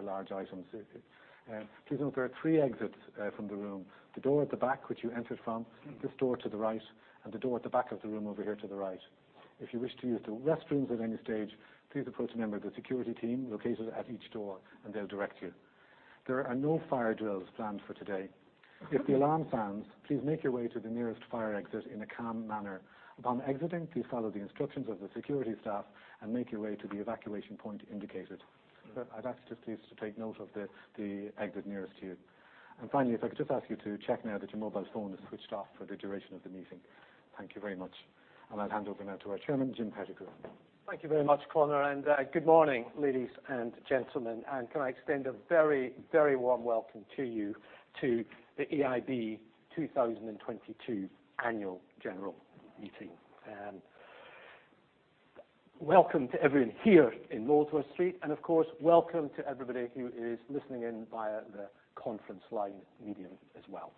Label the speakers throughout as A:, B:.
A: Large items. Please note there are three exits from the room. The door at the back which you entered from, this door to the right, and the door at the back of the room over here to the right. If you wish to use the restrooms at any stage, please approach a member of the security team located at each door, and they'll direct you. There are no fire drills planned for today. If the alarm sounds, please make your way to the nearest fire exit in a calm manner. Upon exiting, please follow the instructions of the security staff and make your way to the evacuation point indicated. I'd ask you just please to take note of the exit nearest to you. Finally, if I could just ask you to check now that your mobile phone is switched off for the duration of the meeting. Thank you very much. I'll hand over now to our Chairman, Jim Pettigrew.
B: Thank you very much, Conor, and good morning, ladies and gentlemen. Can I extend a very, very warm welcome to you to the AIB 2022 Annual General Meeting. Welcome to everyone here in Molesworth Street, and of course, welcome to everybody who is listening in via the conference line medium as well.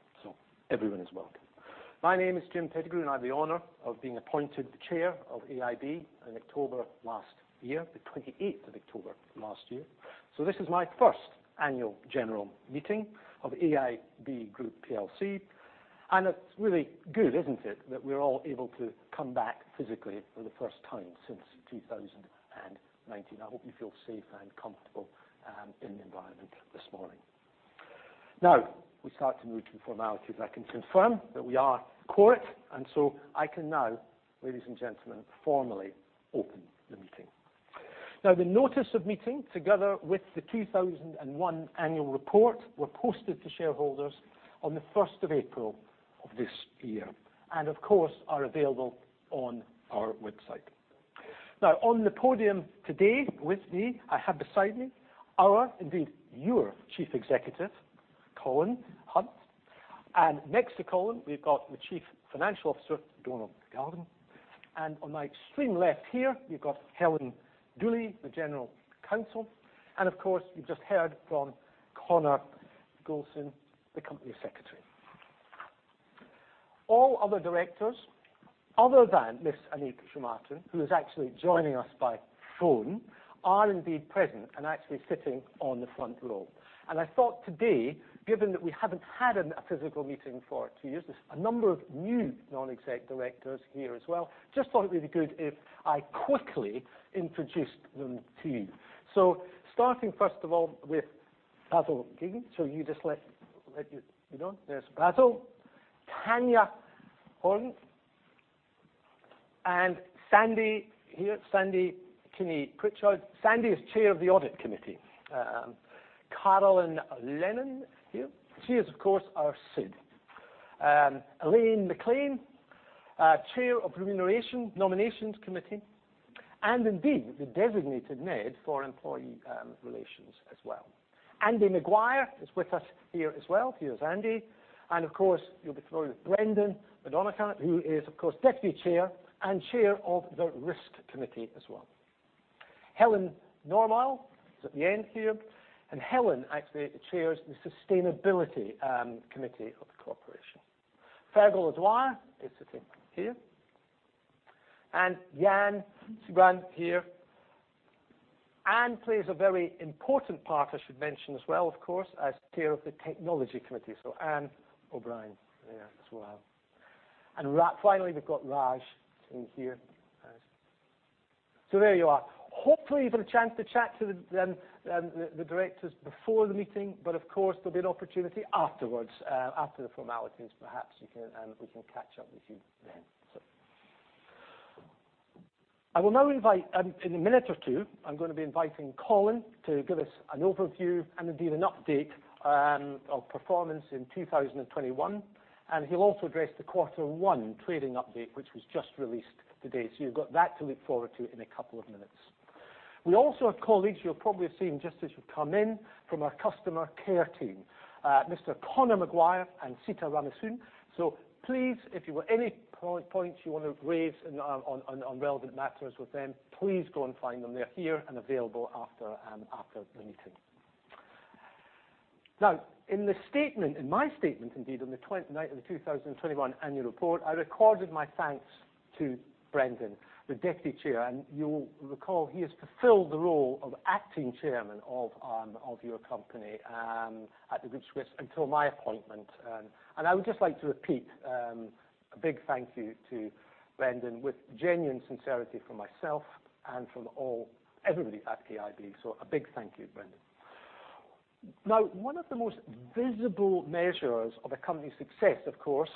B: Everyone is welcome. My name is Jim Pettigrew, and I have the honor of being appointed the chair of AIB in October last year. The 28th of October last year. This is my first annual general meeting of AIB Group plc, and it's really good, isn't it, that we're all able to come back physically for the first time since 2019. I hope you feel safe and comfortable in the environment this morning. Now, we start to move to formalities. I can confirm that we are quorate, and so I can now, ladies and gentlemen, formally open the meeting. Now, the notice of meeting, together with the 2001 annual report, were posted to shareholders on the first of April of this year. Of course, are available on our website. Now, on the podium today with me, I have beside me our, indeed your, Chief Executive, Colin Hunt. Next to Colin, we've got the Chief Financial Officer, Donal Galvin. On my extreme left here, we've got Helen Dooley, the General Counsel. Of course, you've just heard from Conor Gouldson, the Company Secretary. All other directors, other than Anik Chaumartin, who is actually joining us by phone, are indeed present and actually sitting on the front row. I thought today, given that we haven't had a physical meeting for two years, there's a number of new non-exec directors here as well. Just thought it would be good if I quickly introduced them to you. Starting first of all with Basil Geoghegan. You just let you know. There's Basil. Tanya Horgan. And Sandy here, Sandy Kinney Pritchard. Sandy is Chair of the Audit Committee. Carolan Lennon here. She is, of course, our SID. Elaine MacLean, Chair of Remuneration Nominations Committee. And indeed, the Designated NED for Employee Relations as well. Andy Maguire is with us here as well. Here's Andy. And of course, you'll be familiar with Brendan McDonagh, who is of course Deputy Chair and Chair of the Risk Committee as well. Helen Normoyle is at the end here. Helen actually chairs the Sustainability Committee of the corporation. Fergal O'Dwyer is sitting here. Jan Sijbrand here. Anne plays a very important part, I should mention as well, of course, as Chair of the Technology Committee. Ann O'Brien there as well. Finally, we've got Raj Singh here as. There you are. Hopefully, you've got a chance to chat to the directors before the meeting, but of course, there'll be an opportunity afterwards. After the formalities, perhaps we can catch up with you then. I will now invite, in a minute or two, I'm gonna be inviting Colin to give us an overview and indeed an update of performance in 2021. He'll also address the quarter one trading update, which was just released today. You've got that to look forward to in a couple of minutes. We also have colleagues you've probably seen just as you come in from our customer care team. Mr. Connor Maguire and Sita Ramaswamy. Please, if you want any points you wanna raise on relevant matters with them, please go and find them. They're here and available after the meeting. Now, in the statement, in my statement indeed, of the 2021 annual report, I recorded my thanks to Brendan, the Deputy Chair. You'll recall he has fulfilled the role of Acting Chairman of your company at the group's request until my appointment. I would just like to repeat a big thank you to Brendan with genuine sincerity from myself and from everybody at AIB. A big thank you, Brendan. Now, one of the most visible measures of a company's success, of course,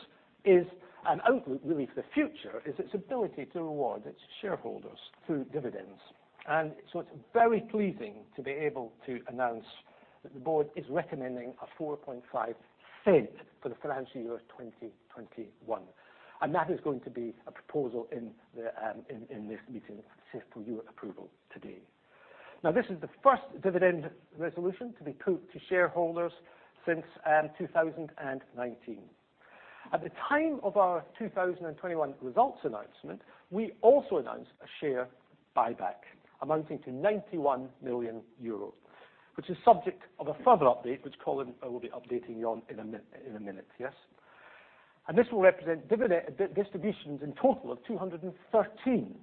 B: is an outlook really for the future, is its ability to reward its shareholders through dividends. It's very pleasing to be able to announce that the board is recommending 0.045 for the financial year of 2021. That is going to be a proposal in this meeting for your approval today. This is the first dividend resolution to be put to shareholders since 2019. At the time of our 2021 results announcement, we also announced a share buyback amounting to 91 million euro, which is subject to a further update, which Colin will be updating you on in a minute. This will represent dividend distributions in total of 213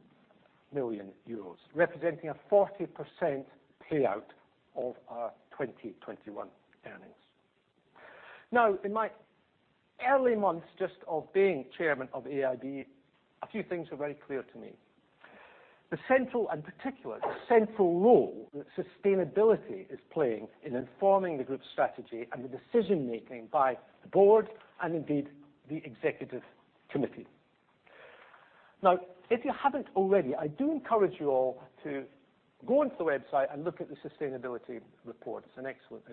B: million euros, representing a 40% payout of our 2021 earnings. Now, in my early months just of being chairman of AIB, a few things are very clear to me. The central role that sustainability is playing in informing the group's strategy and the decision-making by the board and indeed the executive committee. Now, if you haven't already, I do encourage you all to go onto the website and look at the sustainability report. It's an excellent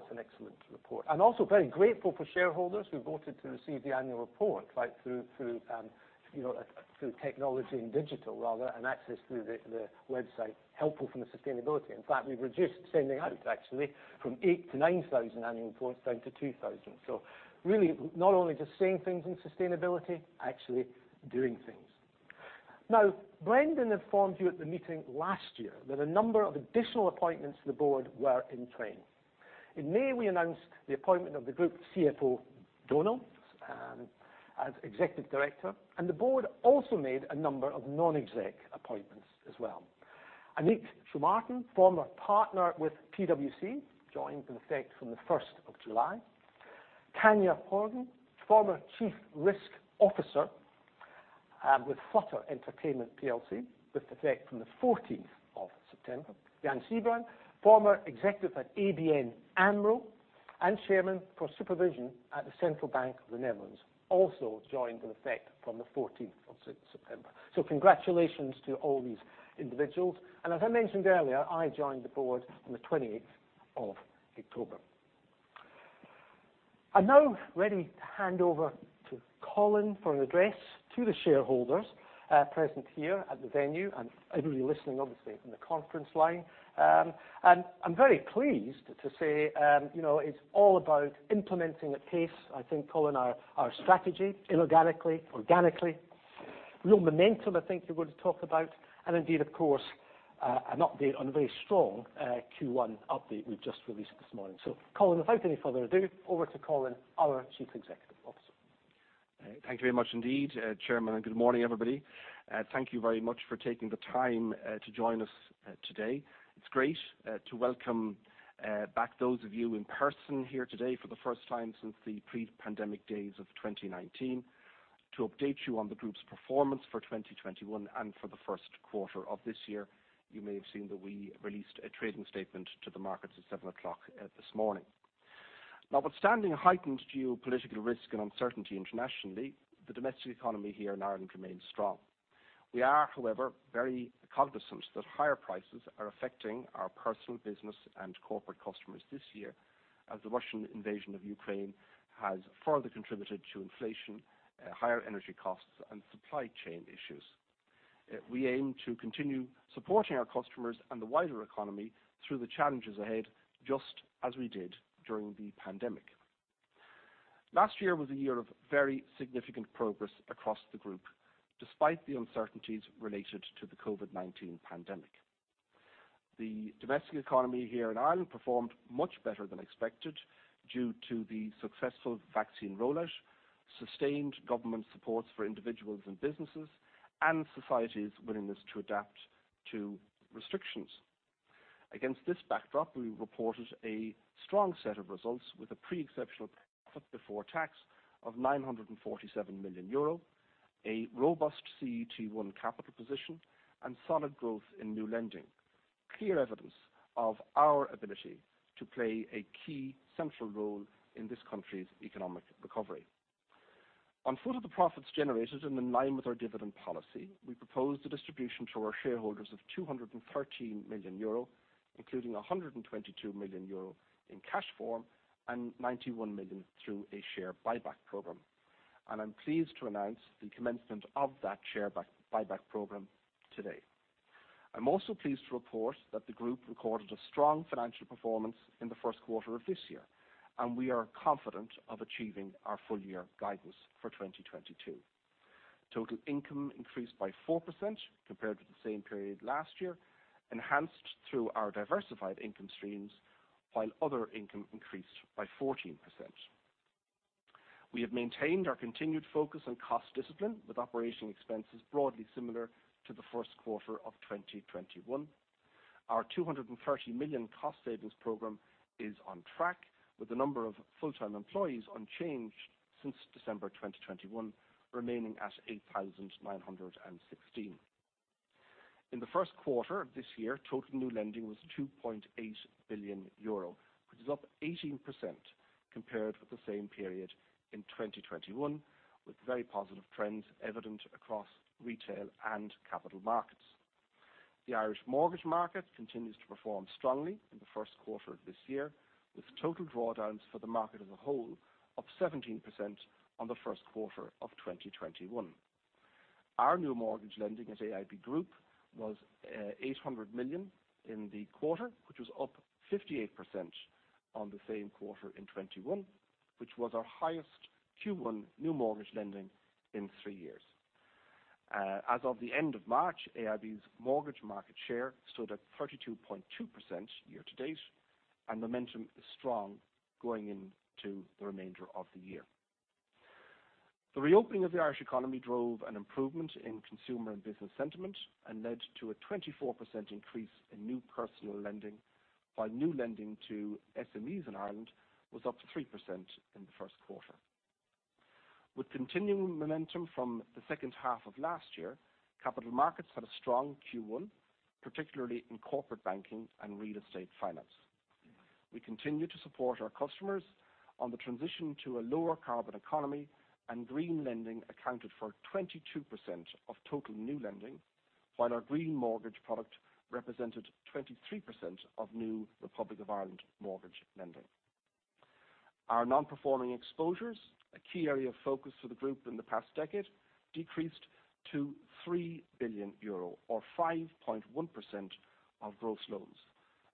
B: report, and also very grateful for shareholders who voted to receive the annual report right through you know through technology and digital rather, and access through the website, helpful from the sustainability. In fact, we've reduced sending out actually from 8,000-9,000 annual reports down to 2,000. Really not only just saying things in sustainability, actually doing things. Now, Brendan informed you at the meeting last year that a number of additional appointments to the board were in train. In May, we announced the appointment of the Group CFO, Donal, as Executive Director, and the board also made a number of non-exec appointments as well. Anik Chaumartin, former partner with PwC, joined with effect from the first of July. Tanya Horgan, former Chief Risk Officer with Flutter Entertainment PLC, with effect from the 14th of September. Jan Sijbrand, former executive at ABN AMRO and Chairman for Supervision at the Central Bank of the Netherlands, also joined with effect from the 14th of September. Congratulations to all these individuals. As I mentioned earlier, I joined the board on the 28th of October. I'm now ready to hand over to Colin for an address to the shareholders present here at the venue and everybody listening obviously from the conference line. I'm very pleased to say, you know, it's all about implementing at pace, I think, Colin, our strategy inorganically, organically. Real momentum, I think you're going to talk about. Indeed, of course, an update on a very strong Q1 update we've just released this morning. Colin, without any further ado, over to Colin, our Chief Executive Officer.
C: Thank you very much indeed, Chairman. Good morning, everybody. Thank you very much for taking the time to join us today. It's great to welcome back those of you in person here today for the first time since the pre-pandemic days of 2019 to update you on the group's performance for 2021 and for the Q1 of this year. You may have seen that we released a trading statement to the markets at 7:00 AM this morning. Notwithstanding heightened geopolitical risk and uncertainty internationally, the domestic economy here in Ireland remains strong. We are, however, very cognizant that higher prices are affecting our personal business and corporate customers this year as the Russian invasion of Ukraine has further contributed to inflation, higher energy costs, and supply chain issues. We aim to continue supporting our customers and the wider economy through the challenges ahead, just as we did during the pandemic. Last year was a year of very significant progress across the group, despite the uncertainties related to the COVID-19 pandemic. The domestic economy here in Ireland performed much better than expected due to the successful vaccine rollout, sustained government supports for individuals and businesses, and society's willingness to adapt to restrictions. Against this backdrop, we reported a strong set of results with a pre-exceptional profit before tax of 947 million euro, a robust CET1 capital position, and solid growth in new lending. Clear evidence of our ability to play a key central role in this country's economic recovery. On foot of the profits generated and in line with our dividend policy, we proposed a distribution to our shareholders of 213 million euro, including 122 million euro in cash form and 91 million through a share buyback program. I'm pleased to announce the commencement of that share buyback program today. I'm also pleased to report that the group recorded a strong financial performance in the Q1 of this year, and we are confident of achieving our full-year guidance for 2022. Total income increased by 4% compared to the same period last year, enhanced through our diversified income streams, while other income increased by 14%. We have maintained our continued focus on cost discipline with operating expenses broadly similar to the Q1 of 2021. Our 230 million cost savings program is on track with the number of full-time employees unchanged since December 2021, remaining at 8,916. In the Q1 of this year, total new lending was 2.8 billion euro, which is up 18% compared with the same period in 2021, with very positive trends evident across retail and capital markets. The Irish mortgage market continues to perform strongly in the Q1 of this year, with total drawdowns for the market as a whole up 17% on the Q1 of 2021. Our new mortgage lending at AIB Group was 800 million in the quarter, which was up 58% on the same quarter in 2021, which was our highest Q1 new mortgage lending in three years. As of the end of March, AIB's mortgage market share stood at 32.2% year-to-date, and momentum is strong going into the remainder of the year. The reopening of the Irish economy drove an improvement in consumer and business sentiment and led to a 24% increase in new personal lending, while new lending to SMEs in Ireland was up to 3% in the Q1. With continuing momentum from the second half of last year, capital markets had a strong Q1, particularly in corporate banking and real estate finance. We continue to support our customers on the transition to a lower carbon economy, and green lending accounted for 22% of total new lending, while our green mortgage product represented 23% of new Republic of Ireland mortgage lending. Our non-performing exposures, a key area of focus for the group in the past decade, decreased to 3 billion euro or 5.1% of gross loans,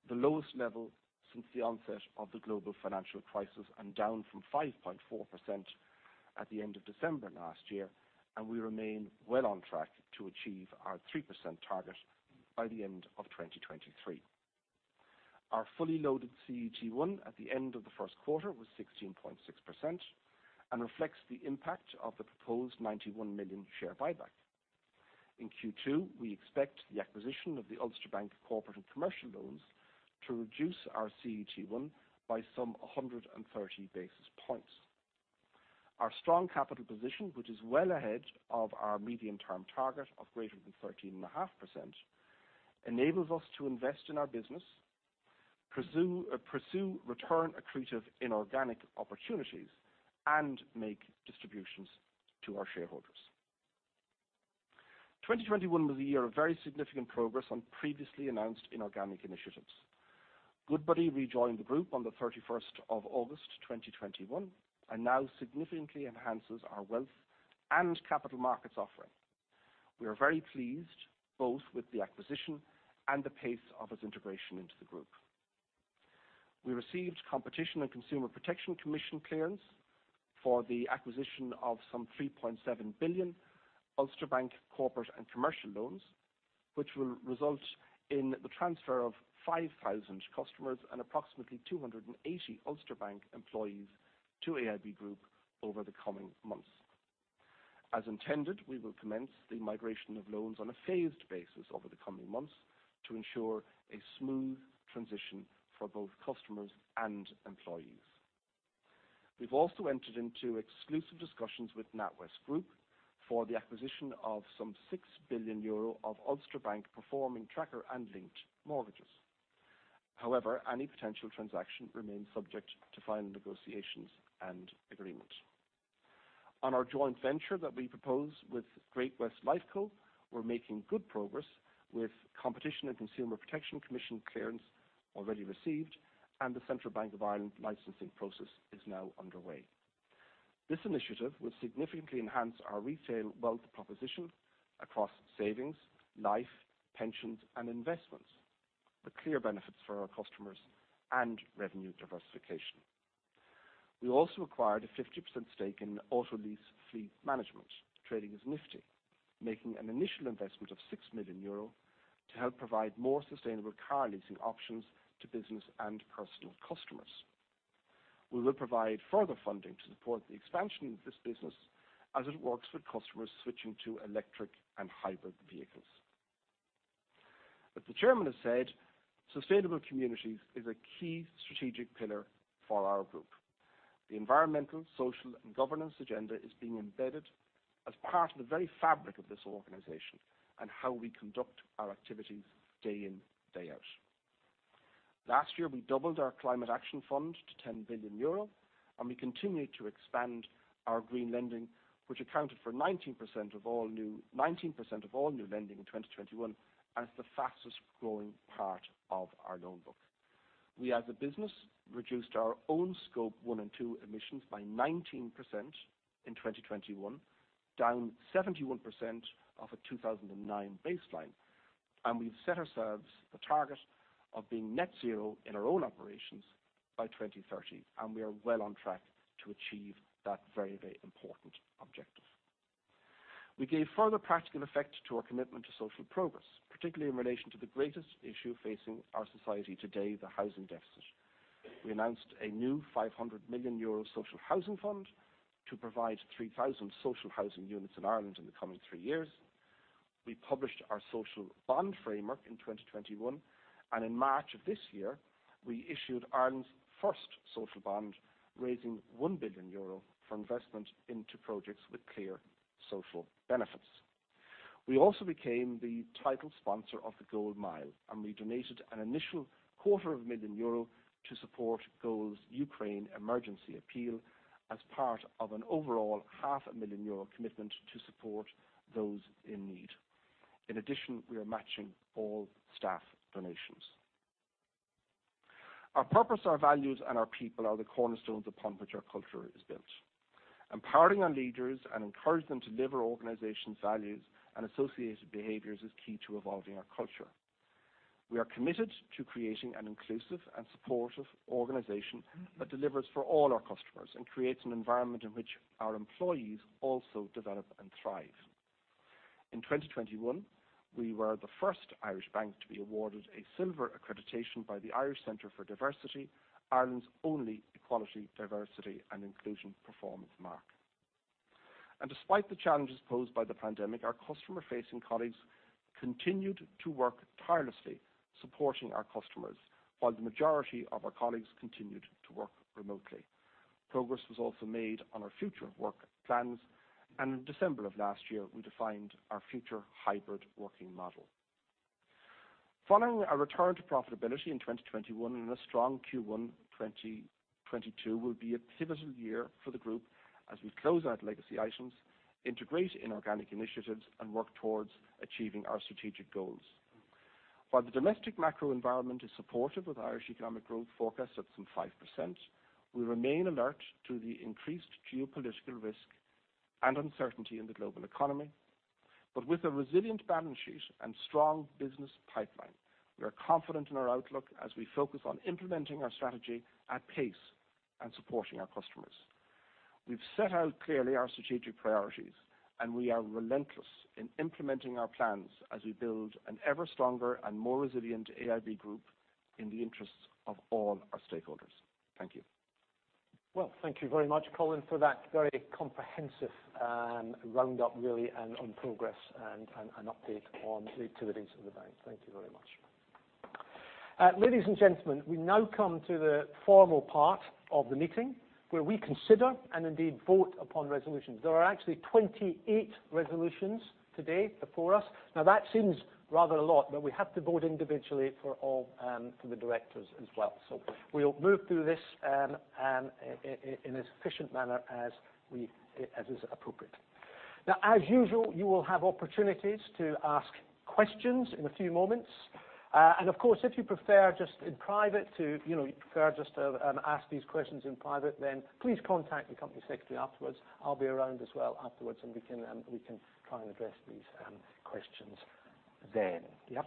C: the lowest level since the onset of the global financial crisis and down from 5.4% at the end of December last year, and we remain well on track to achieve our 3% target by the end of 2023. Our fully loaded CET1 at the end of the Q1 was 16.6% and reflects the impact of the proposed 91 million share buyback. In Q2, we expect the acquisition of the Ulster Bank corporate and commercial loans to reduce our CET1 by some 130 basis points. Our strong capital position, which is well ahead of our medium-term target of greater than 13.5%, enables us to invest in our business, pursue return accretive inorganic opportunities, and make distributions to our shareholders. 2021 was a year of very significant progress on previously announced inorganic initiatives. Goodbody rejoined the group on the 31st of August 2021 and now significantly enhances our wealth and capital markets offering. We are very pleased both with the acquisition and the pace of its integration into the group. We received Competition and Consumer Protection Commission clearance for the acquisition of some 3.7 billion Ulster Bank corporate and commercial loans, which will result in the transfer of 5,000 customers and approximately 280 Ulster Bank employees to AIB Group over the coming months. As intended, we will commence the migration of loans on a phased basis over the coming months to ensure a smooth transition for both customers and employees. We've also entered into exclusive discussions with NatWest Group for the acquisition of some 6 billion euro of Ulster Bank performing tracker and linked mortgages. However, any potential transaction remains subject to final negotiations and agreement. On our joint venture that we propose with Great-West Lifeco, we're making good progress with Competition and Consumer Protection Commission clearance already received, and the Central Bank of Ireland licensing process is now underway. This initiative will significantly enhance our retail wealth proposition across savings, life, pensions, and investments, with clear benefits for our customers and revenue diversification. We also acquired a 50% stake in Autolease Fleet Management, trading as Nifti, making an initial investment of 6 million euro to help provide more sustainable car leasing options to business and personal customers. We will provide further funding to support the expansion of this business as it works with customers switching to electric and hybrid vehicles. As the chairman has said, sustainable communities is a key strategic pillar for our group. The environmental, social, and governance agenda is being embedded as part of the very fabric of this organization and how we conduct our activities day in, day out. Last year, we doubled our climate action fund to 10 billion euro, and we continued to expand our green lending, which accounted for 19% of all new lending in 2021 as the fastest-growing part of our loan book. We, as a business, reduced our own scope one and two emissions by 19% in 2021, down 71% off a 2009 baseline, and we've set ourselves the target of being net zero in our own operations by 2030, and we are well on track to achieve that very, very important objective. We gave further practical effect to our commitment to social progress, particularly in relation to the greatest issue facing our society today, the housing deficit. We announced a new 500 million euro social housing fund to provide 3,000 social housing units in Ireland in the coming three years. We published our social bond framework in 2021, and in March of this year, we issued Ireland's first social bond, raising 1 billion euro for investment into projects with clear social benefits. We also became the title sponsor of the GOAL Mile, and we donated an initial quarter of a million EUR to support GOAL's Ukraine emergency appeal as part of an overall half a million EUR commitment to support those in need. In addition, we are matching all staff donations. Our purpose, our values, and our people are the cornerstones upon which our culture is built. Empowering our leaders and encourage them to live our organization's values and associated behaviors is key to evolving our culture. We are committed to creating an inclusive and supportive organization that delivers for all our customers and creates an environment in which our employees also develop and thrive. In 2021, we were the first Irish bank to be awarded a silver accreditation by the Irish Centre for Diversity, Ireland's only equality, diversity, and inclusion performance mark. Despite the challenges posed by the pandemic, our customer-facing colleagues continued to work tirelessly, supporting our customers, while the majority of our colleagues continued to work remotely. Progress was also made on our future work plans, and in December of last year, we defined our future hybrid working model. Following our return to profitability in 2021 and a strong Q1, 2022 will be a pivotal year for the group as we close out legacy items, integrate inorganic initiatives, and work towards achieving our strategic goals. While the domestic macro environment is supportive of Irish economic growth forecast at some 5%, we remain alert to the increased geopolitical risk and uncertainty in the global economy. With a resilient balance sheet and strong business pipeline, we are confident in our outlook as we focus on implementing our strategy at pace and supporting our customers. We've set out clearly our strategic priorities, and we are relentless in implementing our plans as we build an ever stronger and more resilient AIB Group in the interests of all our stakeholders. Thank you.
B: Well, thank you very much, Colin, for that very comprehensive roundup really and on progress and an update on the activities of the bank. Thank you very much. Ladies and gentlemen, we now come to the formal part of the meeting where we consider and indeed vote upon resolutions. There are actually 28 resolutions today before us. Now, that seems rather a lot, but we have to vote individually for all, for the directors as well. We'll move through this in as efficient manner as is appropriate. Now, as usual, you will have opportunities to ask questions in a few moments. Of course, if you prefer just in private to, you know, ask these questions in private, then please contact the company secretary afterwards. I'll be around as well afterwards, and we can try and address these questions then. Yeah.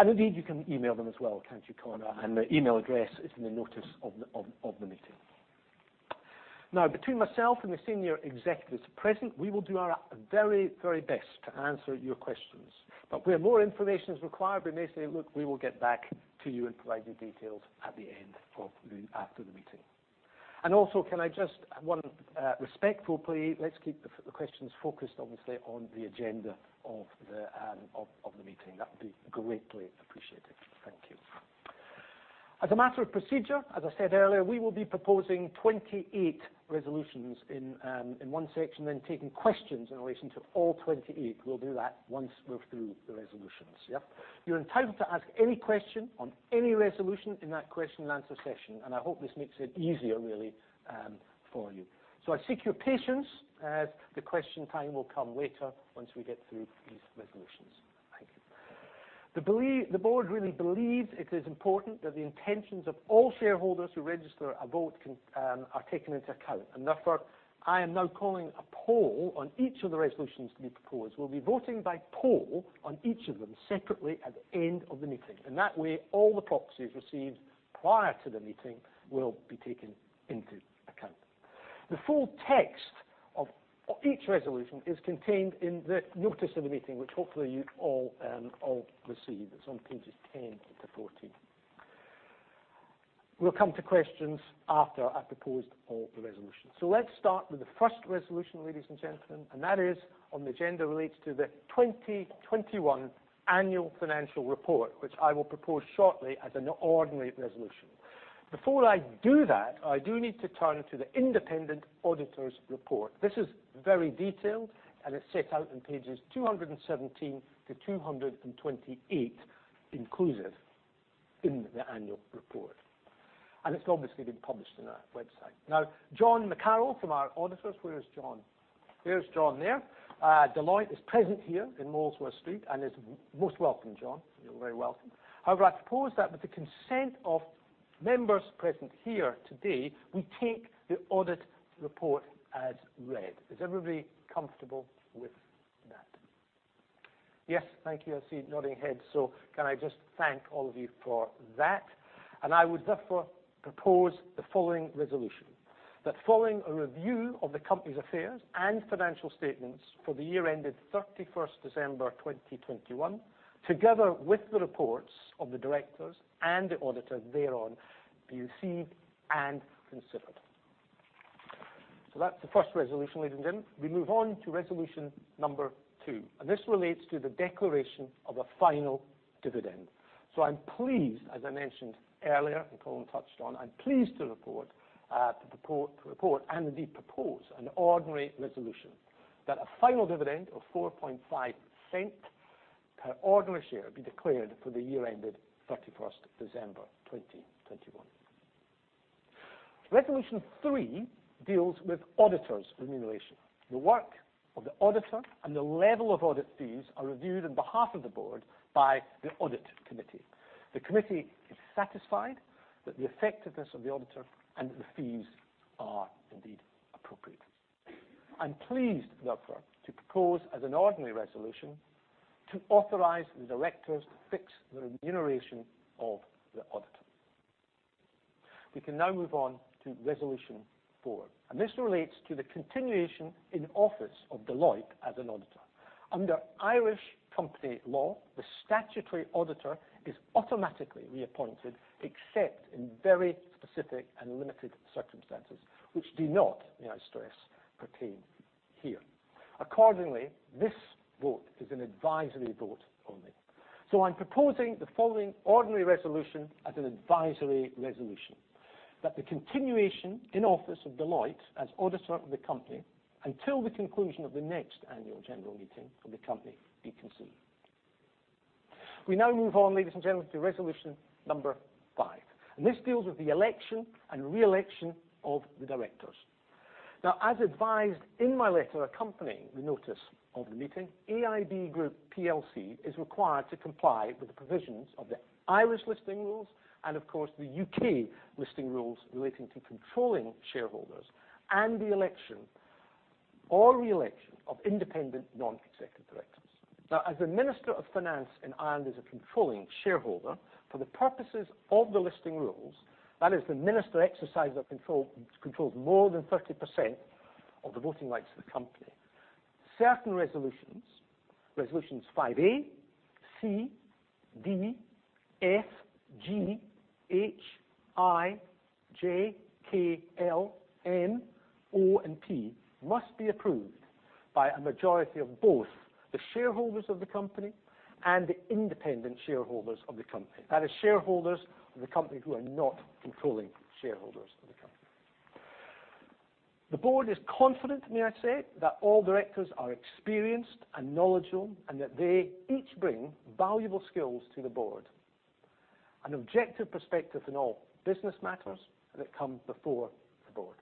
B: Indeed, you can email them as well, can't you, Conor? The email address is in the notice of the meeting. Now, between myself and the senior executives present, we will do our very best to answer your questions. But where more information is required, we may say, "Look, we will get back to you and provide you details at the end of the, after the meeting." Also, can I just one respectful plea, let's keep the questions focused obviously on the agenda of the meeting. That would be greatly appreciated. Thank you. As a matter of procedure, as I said earlier, we will be proposing 28 resolutions in one section, then taking questions in relation to all 28. We'll do that once we're through the resolutions. Yeah. You're entitled to ask any question on any resolution in that question and answer session, and I hope this makes it easier really for you. I seek your patience as the question time will come later once we get through these resolutions. Thank you. The board really believes it is important that the intentions of all shareholders who register a vote are taken into account. Therefore, I am now calling a poll on each of the resolutions to be proposed. We'll be voting by poll on each of them separately at the end of the meeting, and that way all the proxies received prior to the meeting will be taken into account. The full text of each resolution is contained in the notice of the meeting, which hopefully you've all received. It's on pages 10 to 14. We'll come to questions after I've proposed all the resolutions. Let's start with the first resolution, ladies and gentlemen, and that is on the agenda relates to the 2021 annual financial report, which I will propose shortly as an ordinary resolution. Before I do that, I do need to turn to the independent auditor's report. This is very detailed, and it's set out in pages 217 to 228 inclusive in the annual report. It's obviously been published on our website. Now, John McCarroll from our auditors, where is John? There's John there. Deloitte is present here in Molesworth Street and is most welcome, John. You're very welcome. However, I propose that with the consent of members present here today, we take the audit report as read. Is everybody comfortable with that? Yes. Thank you. I see nodding heads. Can I just thank all of you for that. I would therefore propose the following resolution, that following a review of the company's affairs and financial statements for the year ended 31st December 2021, together with the reports of the directors and the auditors thereon, be received and considered. That's the first resolution, ladies and gentlemen. We move on to resolution number two, and this relates to the declaration of a final dividend. I'm pleased, as I mentioned earlier and Colin touched on, I'm pleased to report and indeed propose an ordinary resolution that a final dividend of 0.045 per ordinary share be declared for the year ended 31st December 2021. Resolution three deals with auditors' remuneration. The work of the auditor and the level of audit fees are reviewed on behalf of the board by the audit committee. The committee is satisfied that the effectiveness of the auditor and the fees are indeed appropriate. I'm pleased therefore to propose as an ordinary resolution to authorize the directors to fix the remuneration of the auditor. We can now move on to resolution four, and this relates to the continuation in office of Deloitte as an auditor. Under Irish company law, the statutory auditor is automatically reappointed except in very specific and limited circumstances which do not, may I stress, pertain here. Accordingly, this vote is an advisory vote only. I'm proposing the following ordinary resolution as an advisory resolution, that the continuation in office of Deloitte as auditor of the company until the conclusion of the next annual general meeting of the company be approved. We now move on, ladies and gentlemen, to resolution number five. This deals with the election and re-election of the directors. Now, as advised in my letter accompanying the notice of the meeting, AIB Group plc is required to comply with the provisions of the Irish listing rules and of course the U.K. listing rules relating to controlling shareholders and the election or re-election of independent non-executive directors. Now, as the Minister for Finance in Ireland is a controlling shareholder, for the purposes of the listing rules, that is, the Minister exercises that control, controls more than 30% of the voting rights of the company. Certain resolutions VA, C, D, F, G, H, I, J, K, L, N, O and P must be approved by a majority of both the shareholders of the company and the independent shareholders of the company. That is, shareholders of the company who are not controlling shareholders of the company. The board is confident, may I say, that all directors are experienced and knowledgeable and that they each bring valuable skills to the board. An objective perspective in all business matters that come before the board.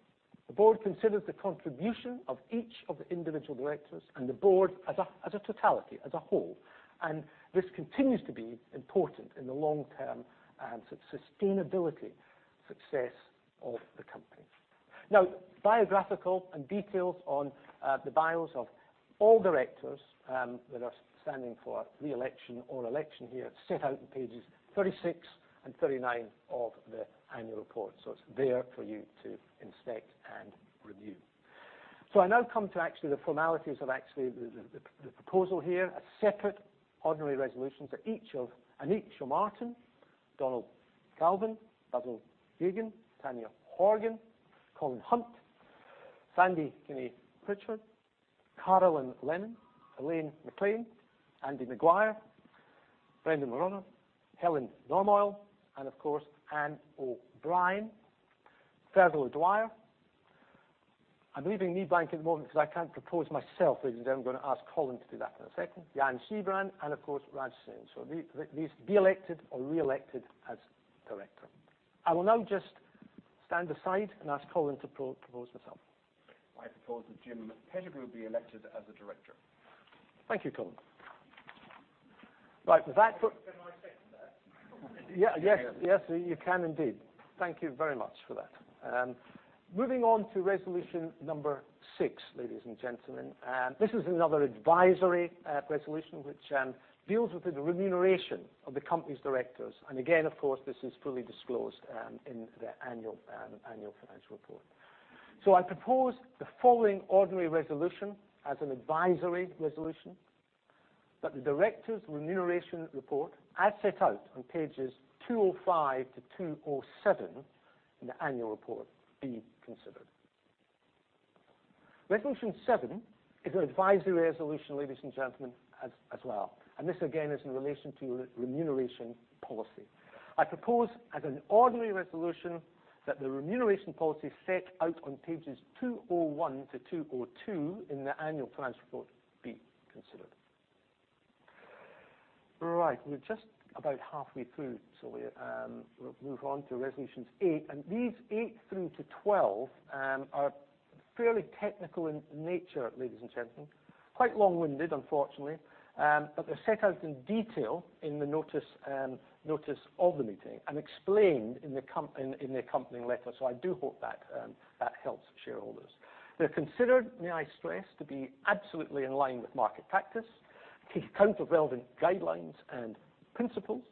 B: The board considers the contribution of each of the individual directors and the board as a totality, as a whole, and this continues to be important in the long-term sustainability success of the company. Now, biographical details on the bios of all directors that are standing for re-election or election here set out in pages 36 and 39 of the annual report. It's there for you to inspect and review. I now come to actually the formalities of actually the proposal here. A separate ordinary resolutions are each of Anit Chaumartin, Donal Galvin, Basil Geoghegan, Tanya Horgan, Colin Hunt, Sandy Kinney Pritchard, Carolan Lennon, Elaine MacLean, Andy Maguire, Brendan McDonagh, Helen Normoyle, and of course, Ann O'Brien, Fergal O'Dwyer. I'm leaving me blank at the moment because I can't propose myself. I'm going to ask Colin to do that in a second. Jan Sijbrand, and of course, Raj Singh. These be elected or re-elected as director. I will now just stand aside and ask Colin to propose myself.
C: I propose that Jim Pettigrew be elected as a director.
B: Thank you, Colin. Right with that.
D: Can I second that?
B: Yeah. Yes. Yes, you can indeed. Thank you very much for that. Moving on to resolution number six, ladies and gentlemen. This is another advisory resolution which deals with the remuneration of the company's directors. Again, of course, this is fully disclosed in the annual financial report. I propose the following ordinary resolution as an advisory resolution that the directors' remuneration report, as set out on pages 205-207 in the annual report, be considered. Resolution seven is an advisory resolution, ladies and gentlemen, as well. This again is in relation to remuneration policy. I propose as an ordinary resolution that the remuneration policy set out on pages 201-202 in the annual financial report be considered. Right. We're just about halfway through, so we will move on to resolutions eight. These 8 through to 12 are fairly technical in nature, ladies and gentlemen. Quite long-winded, unfortunately. But they're set out in detail in the notice of the meeting and explained in the accompanying letter. I do hope that helps shareholders. They're considered, may I stress, to be absolutely in line with market practice, take account of relevant guidelines and principles.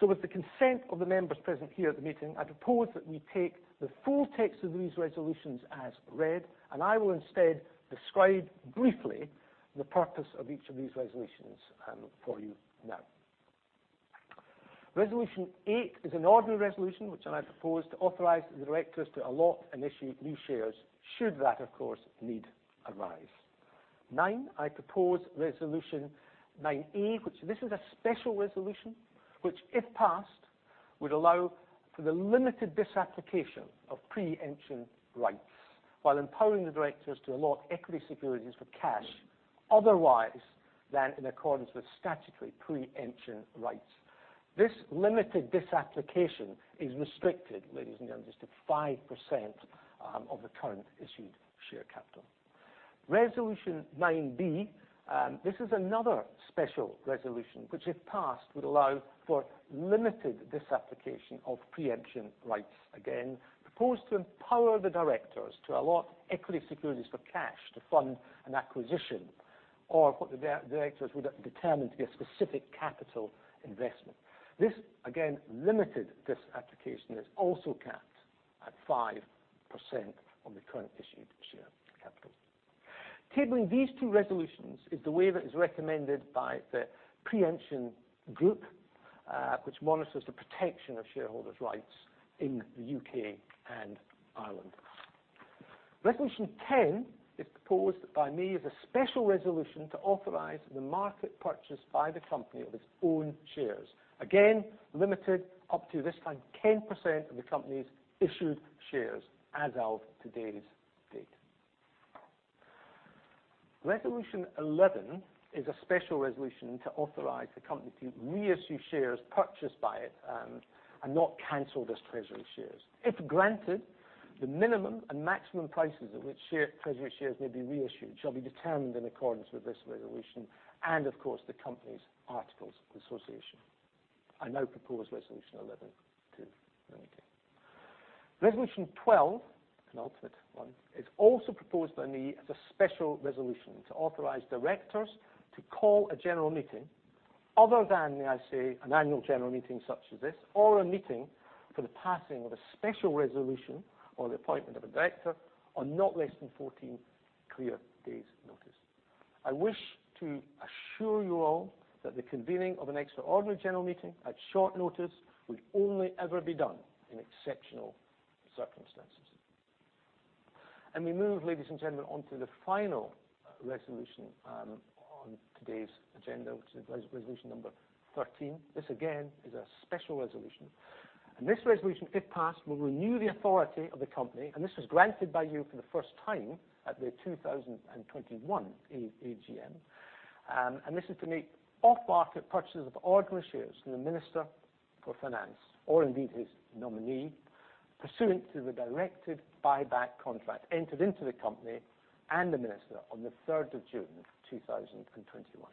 B: With the consent of the members present here at the meeting, I propose that we take the full text of these resolutions as read, and I will instead describe briefly the purpose of each of these resolutions for you now. Resolution eight is an ordinary resolution which I propose to authorize the directors to allot and issue new shares should that, of course, need arise. Nine. I propose resolution 9A, which is a special resolution, which if passed, would allow for the limited disapplication of pre-emption rights while empowering the directors to allot equity securities for cash otherwise than in accordance with statutory pre-emption rights. This limited disapplication is restricted, ladies and gentlemen, just to 5% of the current issued share capital. Resolution 9B, this is another special resolution which, if passed, would allow for limited disapplication of pre-emption rights again. Proposed to empower the directors to allot equity securities for cash to fund an acquisition or what the directors would determine to be a specific capital investment. This, again, limited disapplication is also capped at 5% of the current issued share capital. Tabling these two resolutions is the way that is recommended by the Pre-Emption Group, which monitors the protection of shareholders' rights in the U.K. and Ireland. Resolution 10 is proposed by me as a special resolution to authorize the market purchase by the company of its own shares. Again, limited up to, this time, 10% of the company's issued shares as of today's date. Resolution 11 is a special resolution to authorize the company to reissue shares purchased by it, and not cancel those treasury shares. If granted, the minimum and maximum prices at which treasury shares may be reissued shall be determined in accordance with this resolution, and of course, the company's articles of association. I now propose Resolution 11 to the meeting. Resolution 12, an ordinary one, is also proposed by me as a special resolution to authorize directors to call a general meeting other than, may I say, an annual general meeting such as this or a meeting for the passing of a special resolution or the appointment of a director on not less than 14 clear days' notice. I wish to assure you all that the convening of an extraordinary general meeting at short notice would only ever be done in exceptional circumstances. We move, ladies and gentlemen, on to the final resolution on today's agenda, which is resolution number thirteen. This, again, is a special resolution, and this resolution, if passed, will renew the authority of the company, and this was granted by you for the first time at the 2021 AGM. This is to make off-market purchases of ordinary shares from the Minister for Finance or indeed his nominee, pursuant to the directed buyback contract entered into the company and the minister on the third of June two thousand and twenty-one.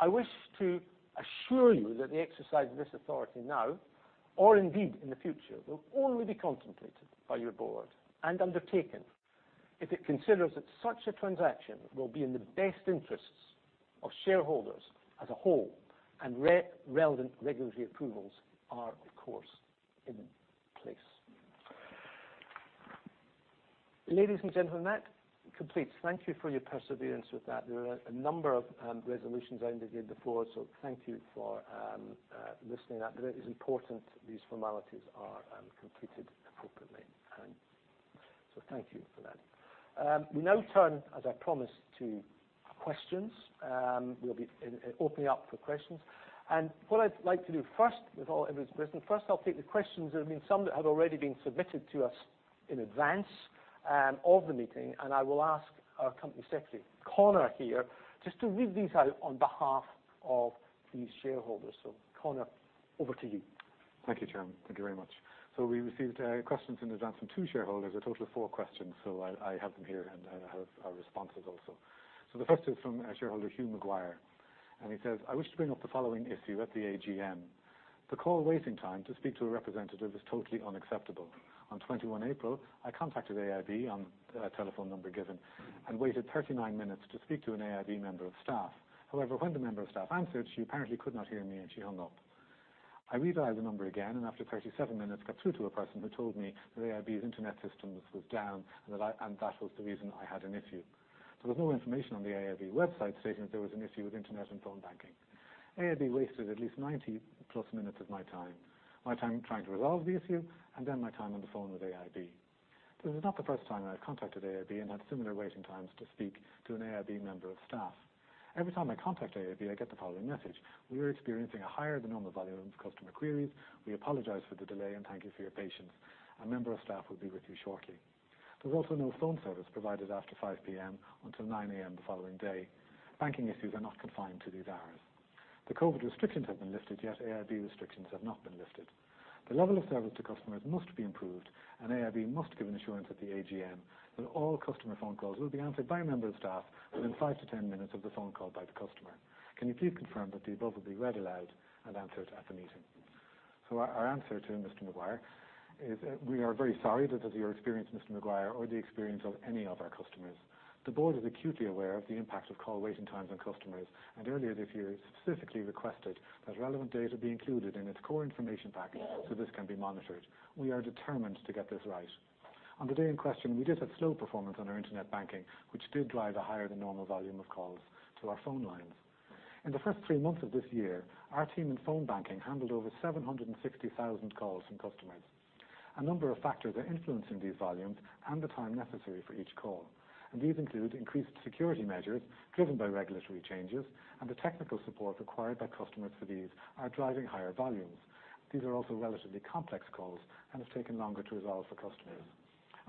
B: I wish to assure you that the exercise of this authority now or indeed in the future, will only be contemplated by your board and undertaken if it considers that such a transaction will be in the best interests of shareholders as a whole and relevant regulatory approvals are, of course, in place. Ladies and gentlemen, that completes. Thank you for your perseverance with that. There are a number of resolutions I needed before, so thank you for listening. That is important, these formalities are completed appropriately. Thank you for that. We now turn, as I promised, to questions. We'll be opening up for questions. What I'd like to do first with all everything, I'll take the questions. There have been some that have already been submitted to us in advance of the meeting, and I will ask our company secretary, Conor, here just to read these out on behalf of these shareholders. Conor, over to you.
A: Thank you, Chairman. Thank you very much. We received questions in advance from two shareholders, a total of four questions. I have them here and have our responses also. The first is from a shareholder, Hugh Maguire, and he says, "I wish to bring up the following issue at the AGM. The call waiting time to speak to a representative is totally unacceptable. On 21 April, I contacted AIB on a telephone number given and waited 39 minutes to speak to an AIB member of staff. However, when the member of staff answered, she apparently could not hear me, and she hung up. I redialed the number again, and after 37 minutes got through to a person who told me that AIB's internet systems was down and that was the reason I had an issue. There was no information on the AIB website stating that there was an issue with internet and phone banking. AIB wasted at least 90+ minutes of my time, my time trying to resolve the issue and then my time on the phone with AIB. This is not the first time I've contacted AIB and had similar waiting times to speak to an AIB member of staff. Every time I contact AIB, I get the following message, "We are experiencing a higher than normal volume of customer queries. We apologize for the delay, and thank you for your patience. A member of staff will be with you shortly." There's also no phone service provided after 5:00 PM until 9:00 AM the following day. Banking issues are not confined to these hours. The COVID restrictions have been lifted, yet AIB restrictions have not been lifted. The level of service to customers must be improved, and AIB must give assurance at the AGM that all customer phone calls will be answered by a member of staff within 5-10 minutes of the phone call by the customer. Can you please confirm that the above will be read aloud and answered at the meeting? Our answer to Mr. Maguire is, we are very sorry that is your experience, Mr. Maguire, or the experience of any of our customers. The board is acutely aware of the impact of call waiting times on customers and earlier this year specifically requested that relevant data be included in its core information package so this can be monitored. We are determined to get this right. On the day in question, we did have slow performance on our internet banking, which did drive a higher than normal volume of calls to our phone lines. In the first three months of this year, our team in phone banking handled over 760,000 calls from customers. A number of factors are influencing these volumes and the time necessary for each call, and these include increased security measures driven by regulatory changes and the technical support required by customers for these are driving higher volumes. These are also relatively complex calls and have taken longer to resolve for customers.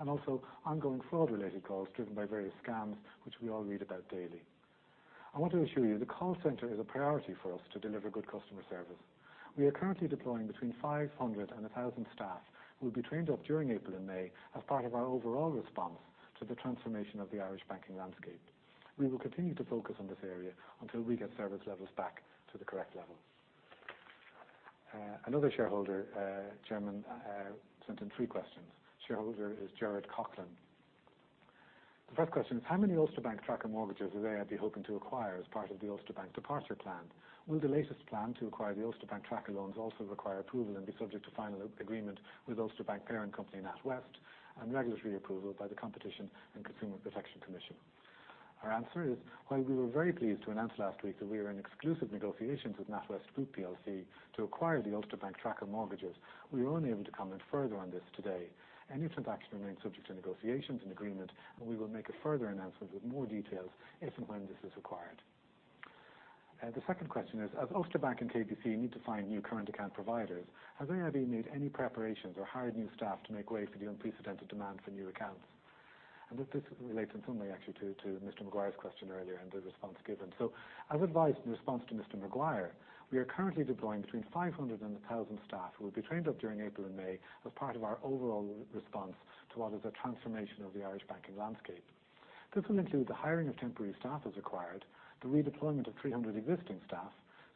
A: Also ongoing fraud-related calls driven by various scams, which we all read about daily. I want to assure you the call center is a priority for us to deliver good customer service. We are currently deploying between 500 and 1,000 staff who will be trained up during April and May as part of our overall response to the transformation of the Irish banking landscape. We will continue to focus on this area until we get service levels back to the correct level. Another shareholder, Chairman, sent in three questions. Shareholder is Gerard Coughlan. The first question is, how many Ulster Bank tracker mortgages is AIB hoping to acquire as part of the Ulster Bank departure plan? Will the latest plan to acquire the Ulster Bank tracker loans also require approval and be subject to final agreement with Ulster Bank parent company, NatWest, and regulatory approval by the Competition and Consumer Protection Commission? Our answer is, while we were very pleased to announce last week that we are in exclusive negotiations with NatWest Group plc to acquire the Ulster Bank tracker mortgages, we are unable to comment further on this today. Any transaction remains subject to negotiations and agreement, and we will make a further announcement with more details if and when this is acquired. The second question is, as Ulster Bank and KBC need to find new current account providers, has AIB made any preparations or hired new staff to make way for the unprecedented demand for new accounts? And this relates in some way actually to Mr. Maguire's question earlier and the response given. As advised in response to Mr. Maguire, we are currently deploying between 500 and 1,000 staff who will be trained up during April and May as part of our overall response to what is a transformation of the Irish banking landscape. This will include the hiring of temporary staff as required, the redeployment of 300 existing staff,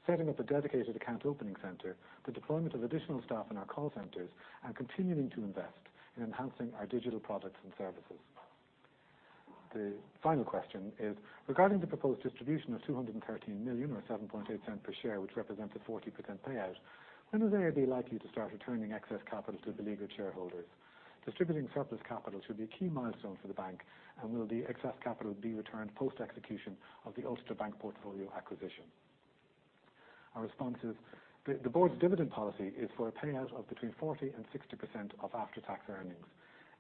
A: setting up a dedicated account opening center, the deployment of additional staff in our call centers, and continuing to invest in enhancing our digital products and services. The final question is, regarding the proposed distribution of 213 million, or 0.078 per share, which represents a 40% payout, when is AIB likely to start returning excess capital to the legal shareholders? Distributing surplus capital should be a key milestone for the bank. Will the excess capital be returned post-execution of the Ulster Bank portfolio acquisition? Our response is the board's dividend policy is for a payout of between 40%-60% of after-tax earnings.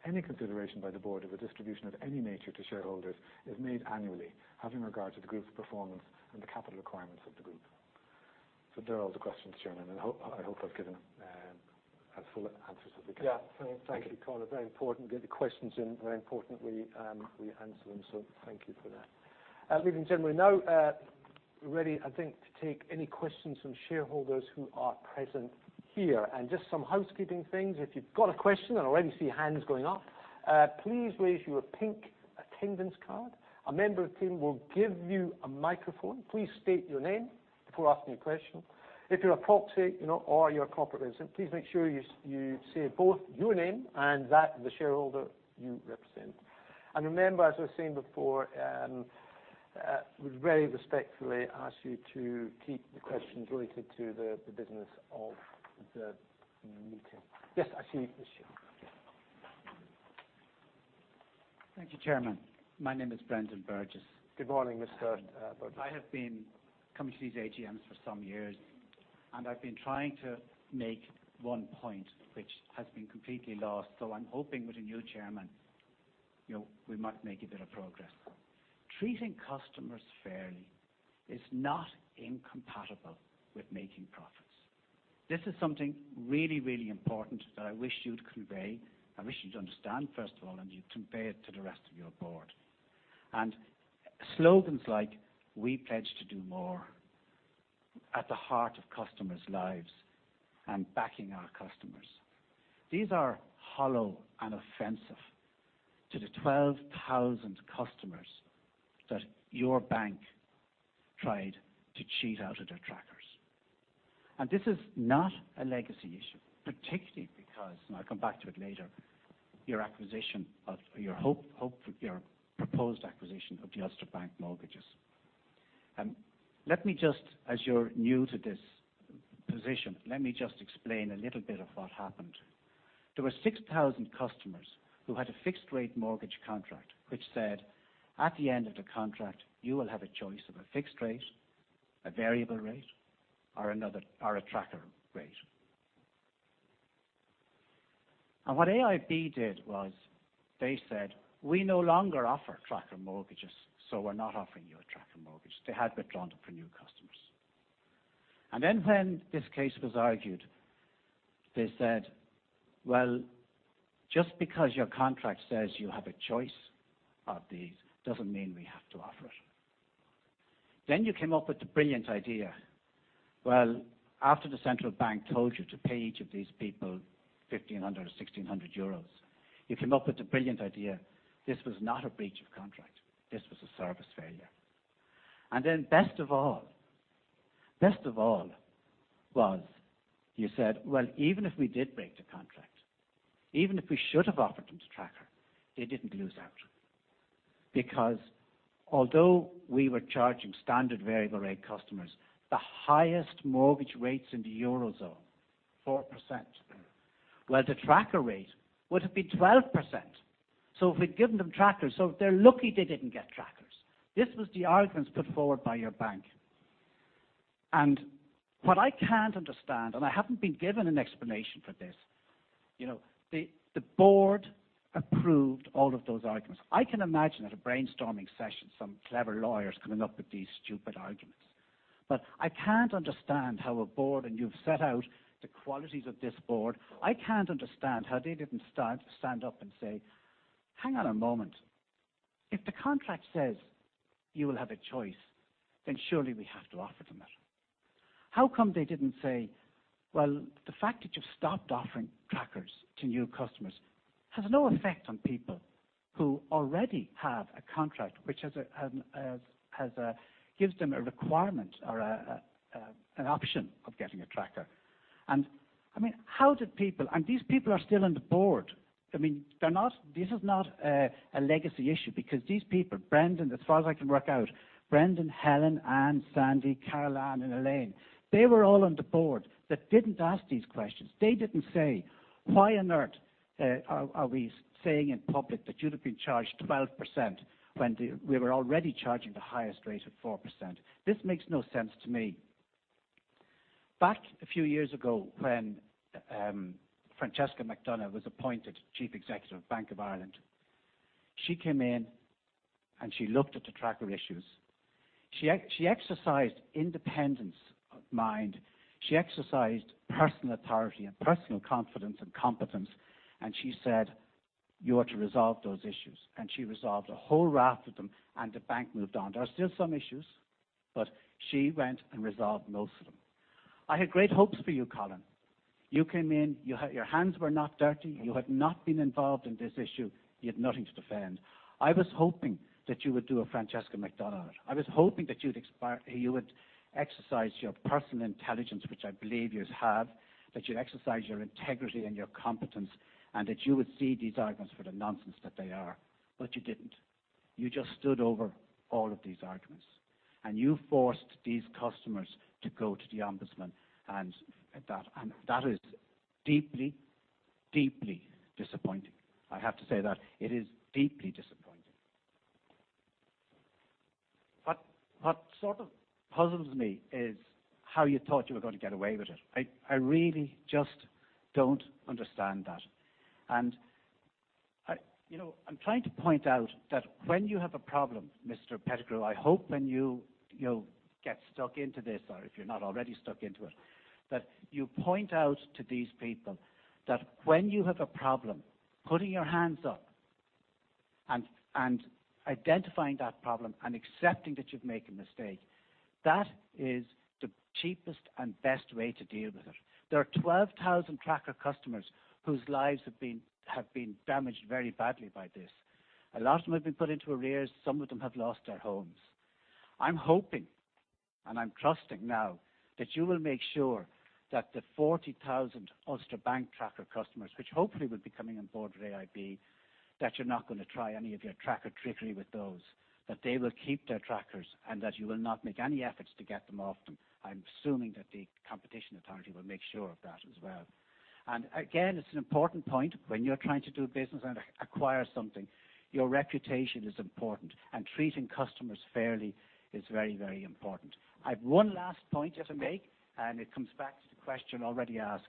A: Any consideration by the board of a distribution of any nature to shareholders is made annually, having regard to the group's performance and the capital requirements of the group. They're all the questions, Chairman, and I hope I've given as full answers as we can.
B: Yeah.
A: Thank you.
B: Thank you, Colin. Very important to get the questions in. Very important we answer them. Thank you for that. Ladies and gentlemen, now we're ready, I think, to take any questions from shareholders who are present here. Just some housekeeping things. If you've got a question, I already see hands going up, please raise your pink attendance card. A member of the team will give you a microphone. Please state your name before asking a question. If you're a proxy, you know, or you're a corporate representative, please make sure you say both your name and that of the shareholder you represent. Remember, as I was saying before, we very respectfully ask you to keep the questions related to the business of the meeting. Yes, I see you, Mr. Coughlan. Yes.
E: Thank you, Chairman. My name is Brendan Burgess.
B: Good morning, Mr. Burgess.
E: I have been coming to these AGMs for some years, and I've been trying to make one point which has been completely lost, so I'm hoping with a new chairman, you know, we might make a bit of progress. Treating customers fairly is not incompatible with making profits. This is something really, really important that I wish you'd convey. I wish you'd understand, first of all, and you'd convey it to the rest of your board. Slogans like, "We pledge to do more," "At the heart of customers' lives," and, "Backing our customers," these are hollow and offensive to the 12,000 customers that your bank tried to cheat out of their trackers. This is not a legacy issue, particularly because, and I'll come back to it later, your proposed acquisition of the Ulster Bank mortgages. Let me just, as you're new to this position, let me just explain a little bit of what happened. There were 6,000 customers who had a fixed rate mortgage contract, which said, "At the end of the contract, you will have a choice of a fixed rate, a variable rate, or another, or a tracker rate." What AIB did was they said, "We no longer offer tracker mortgages, so we're not offering you a tracker mortgage." They had been drawn up for new customers. When this case was argued, they said, "Well, just because your contract says you have a choice of these doesn't mean we have to offer it." You came up with the brilliant idea. Well, after the central bank told you to pay each of these people 1,500 or 1,600 euros, you came up with the brilliant idea, this was not a breach of contract. This was a service failure. best of all, best of all was you said, "Well, even if we did break the contract, even if we should have offered them the tracker, they didn't lose out, because although we were charging standard variable rate customers the highest mortgage rates in the Eurozone, 4%, well, the tracker rate would have been 12%. So if we'd given them trackers. So they're lucky they didn't get trackers." This was the arguments put forward by your bank. what I can't understand, and I haven't been given an explanation for this, you know, the board approved all of those arguments. I can imagine at a brainstorming session, some clever lawyers coming up with these stupid arguments. I can't understand how a board, and you've set out the qualities of this board, I can't understand how they didn't stand up and say, "Hang on a moment. If the contract says you will have a choice, then surely we have to offer them that." How come they didn't say, "Well, the fact that you've stopped offering trackers to new customers has no effect on people who already have a contract, which gives them a requirement or an option of getting a tracker." I mean, how did people. These people are still on the board. I mean, this is not a legacy issue because these people, Brendan, as far as I can work out, Brendan, Helen, Ann, Sandy, Carolan and Elaine, they were all on the board that didn't ask these questions. They didn't say, "Why on earth are we saying in public that you'd have been charged 12% when we were already charging the highest rate of 4%?" This makes no sense to me. Back a few years ago, when Francesca McDonagh was appointed Chief Executive, Bank of Ireland, she came in, and she looked at the tracker issues. She exercised independence of mind. She exercised personal authority and personal confidence and competence, and she said, "You are to resolve those issues." She resolved a whole raft of them, and the bank moved on. There are still some issues, but she went and resolved most of them. I had great hopes for you, Colin. You came in, your hands were not dirty. You had not been involved in this issue. You had nothing to defend. I was hoping that you would do a Francesca McDonagh. I was hoping that you'd aspire. You would exercise your personal intelligence, which I believe yous have, that you'd exercise your integrity and your competence, and that you would see these arguments for the nonsense that they are, but you didn't. You just stood over all of these arguments, and you forced these customers to go to the ombudsman, and that is deeply disappointing. I have to say that. It is deeply disappointing. What sort of puzzles me is how you thought you were going to get away with it. I really just don't understand that. You know, I'm trying to point out that when you have a problem, Mr. Pettigrew, I hope when you know, get stuck into this or if you're not already stuck into it, that you point out to these people that when you have a problem, putting your hands up and identifying that problem and accepting that you've made a mistake, that is the cheapest and best way to deal with it. There are 12,000 tracker customers whose lives have been damaged very badly by this. A lot of them have been put into arrears. Some of them have lost their homes. I'm hoping, and I'm trusting now that you will make sure that the 40,000 Ulster Bank tracker customers, which hopefully will be coming on board with AIB, that you're not gonna try any of your tracker trickery with those, that they will keep their trackers, and that you will not make any efforts to get them off them. I'm assuming that the competition authority will make sure of that as well. Again, it's an important point. When you're trying to do business and acquire something, your reputation is important, and treating customers fairly is very, very important. I've one last point to make, and it comes back to the question already asked.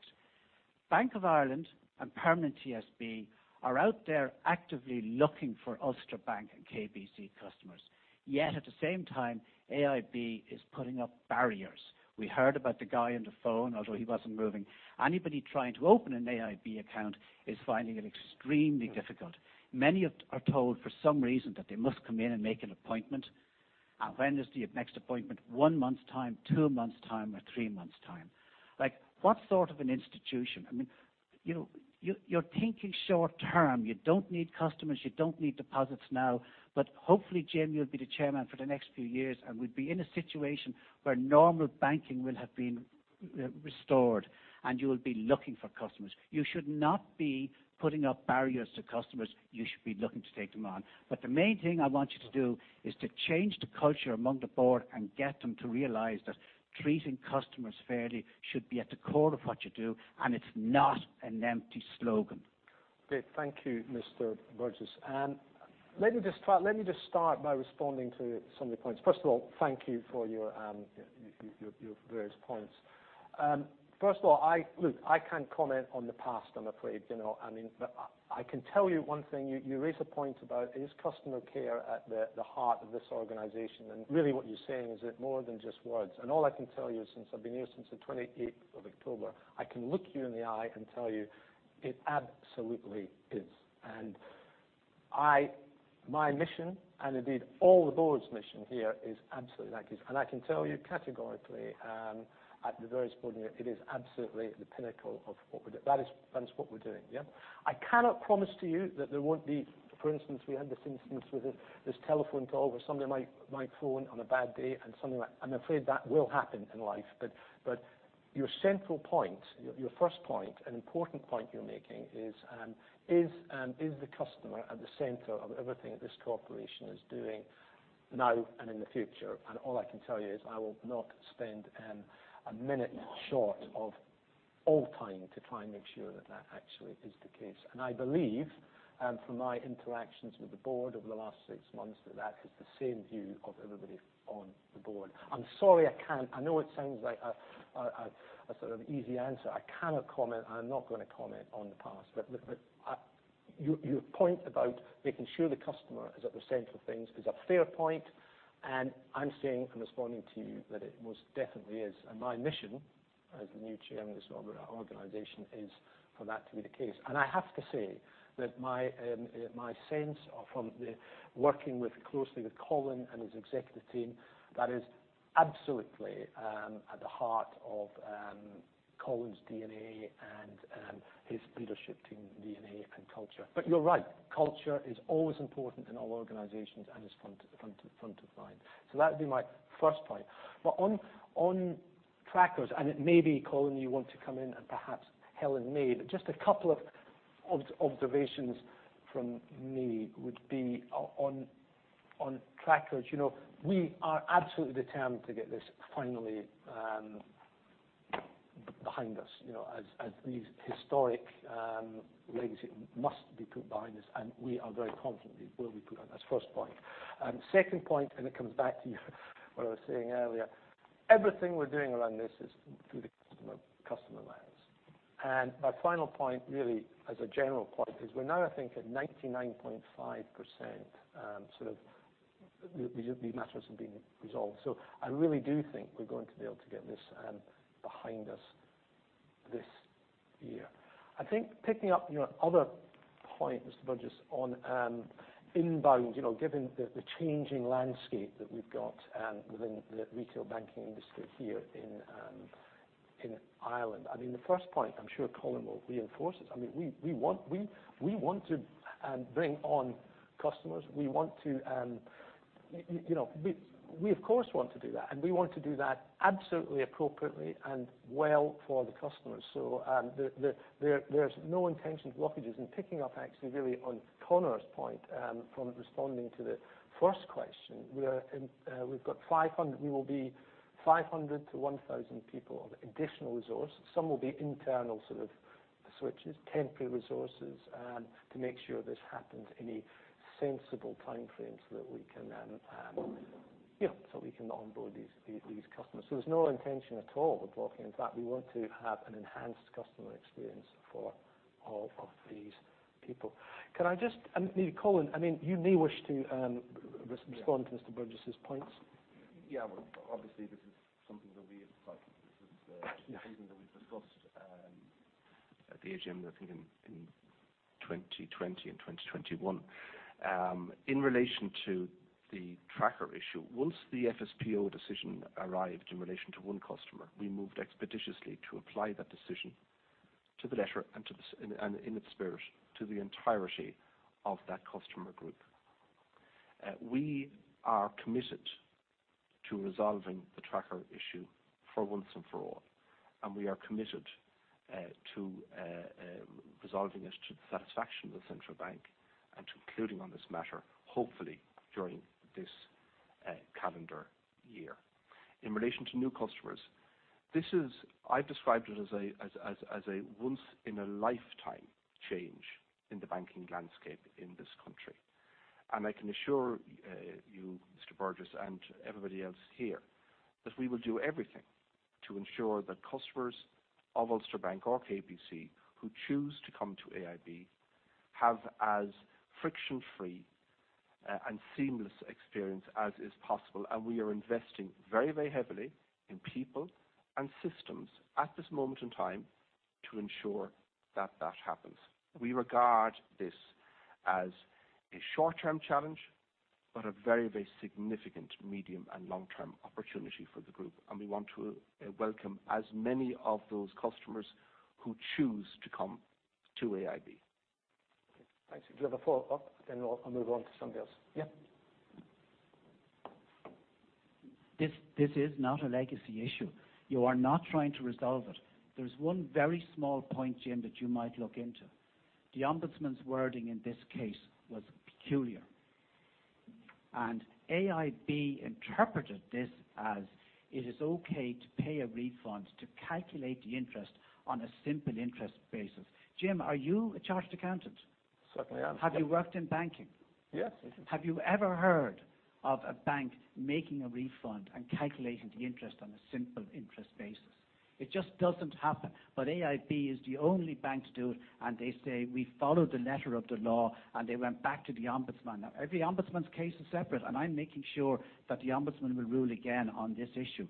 E: Bank of Ireland and Permanent TSB are out there actively looking for Ulster Bank and KBC customers, yet at the same time, AIB is putting up barriers. We heard about the guy on the phone, although he wasn't moving. Anybody trying to open an AIB account is finding it extremely difficult. Many are told for some reason that they must come in and make an appointment. When is the next appointment? One month's time, two months' time, or three months' time. Like, what sort of an institution? I mean, you know, you're thinking short term. You don't need customers. You don't need deposits now. Hopefully, Jim, you'll be the chairman for the next few years, and we'd be in a situation where normal banking will have been restored, and you will be looking for customers. You should not be putting up barriers to customers. You should be looking to take them on. The main thing I want you to do is to change the culture among the board and get them to realize that treating customers fairly should be at the core of what you do, and it's not an empty slogan.
B: Okay. Thank you, Mr. Burgess. Let me just start by responding to some of your points. First of all, thank you for your various points. First of all, look, I can't comment on the past, I'm afraid, you know. I mean, I can tell you one thing. You raise a point about is customer care at the heart of this organization, and really what you're saying is it more than just words. All I can tell you, since I've been here since the twenty-eighth of October, I can look you in the eye and tell you it absolutely is. My mission, and indeed all the board's mission here, is absolutely that. I can tell you categorically, at the very spot, it is absolutely the pinnacle of what we're. That is what we're doing. Yeah? I cannot promise to you that there won't be, for instance, we had this instance with this telephone call, where somebody might phone on a bad day and something like. I'm afraid that will happen in life. Your central point, your first point, an important point you're making is the customer at the center of everything this corporation is doing now and in the future. All I can tell you is I will not spend a minute short of all time to try and make sure that that actually is the case. I believe from my interactions with the board over the last six months, that that is the same view of everybody on the board. I'm sorry, I can't. I know it sounds like a sort of easy answer. I cannot comment, and I'm not gonna comment on the past. Your point about making sure the customer is at the center of things is a fair point, and I'm saying and responding to you that it most definitely is. My mission as the new chairman of this organization is for that to be the case. I have to say that my sense from working closely with Colin and his executive team, that is absolutely at the heart of Colin's DNA and his leadership team DNA and culture. You're right, culture is always important in all organizations and is front of line. That'd be my first point. On trackers, it may be, Colin, you want to come in and perhaps Helen may, but just a couple of observations from me would be on trackers. You know, we are absolutely determined to get this finally behind us, you know. As these historic legacy must be put behind us, and we are very confident it will be put. That's first point. Second point, and it comes back to what I was saying earlier, everything we're doing around this is through the customer lens. My final point, really as a general point, is we're now I think at 99.5%, sort of the matters have been resolved. So I really do think we're going to be able to get this behind us this year. I think picking up, you know, other point, Mr. Burgess, on inbound, you know, given the changing landscape that we've got within the retail banking industry here in Ireland. I mean, the first point I'm sure Colin will reinforce is, I mean, we want to bring on customers. We want to you know. We of course want to do that, and we want to do that absolutely appropriately and well for the customers. So, there's no intention of blockages. Picking up actually really on Conor's point from responding to the first question, we will be 500 to 1,000 people of additional resource. Some will be internal sort of switches, temporary resources, to make sure this happens in a sensible timeframe, so that we can, you know, so we can onboard these customers. There's no intention at all of blocking. In fact, we want to have an enhanced customer experience for all of these people. Colin, I mean, you may wish to respond to Mr. Burgess's points.
C: Yeah. Obviously, this is something that we as a cycle business.
B: Yeah.
C: Something that we've discussed at the AGM, I think in 2020 and 2021. In relation to the tracker issue, once the FSPO decision arrived in relation to one customer, we moved expeditiously to apply that decision to the letter and in its spirit to the entirety of that customer group. We are committed to resolving the tracker issue for once and for all, and we are committed to resolving it to the satisfaction of the Central Bank and to concluding on this matter, hopefully during this calendar year. In relation to new customers, this is I've described it as a once-in-a-lifetime change in the banking landscape in this country. I can assure you, Mr. Burgess, and everybody else here, that we will do everything to ensure that customers of Ulster Bank or KBC who choose to come to AIB have as friction-free, and seamless experience as is possible. We are investing very, very heavily in people and systems at this moment in time to ensure that that happens. We regard this as a short-term challenge, but a very, very significant medium and long-term opportunity for the group, and we want to welcome as many of those customers who choose to come to AIB.
B: Okay, thanks. If you have a follow-up, then I'll move on to somebody else. Yeah.
E: This is not a legacy issue. You are not trying to resolve it. There's one very small point, Jim, that you might look into. The ombudsman's wording in this case was peculiar, and AIB interpreted this as it is okay to pay a refund to calculate the interest on a simple interest basis. Jim, are you a chartered accountant?
B: Certainly am.
E: Have you worked in banking?
B: Yes.
E: Have you ever heard of a bank making a refund and calculating the interest on a simple interest basis? It just doesn't happen. AIB is the only bank to do it, and they say, "We followed the letter of the law," and they went back to the ombudsman. Now every ombudsman's case is separate, and I'm making sure that the ombudsman will rule again on this issue.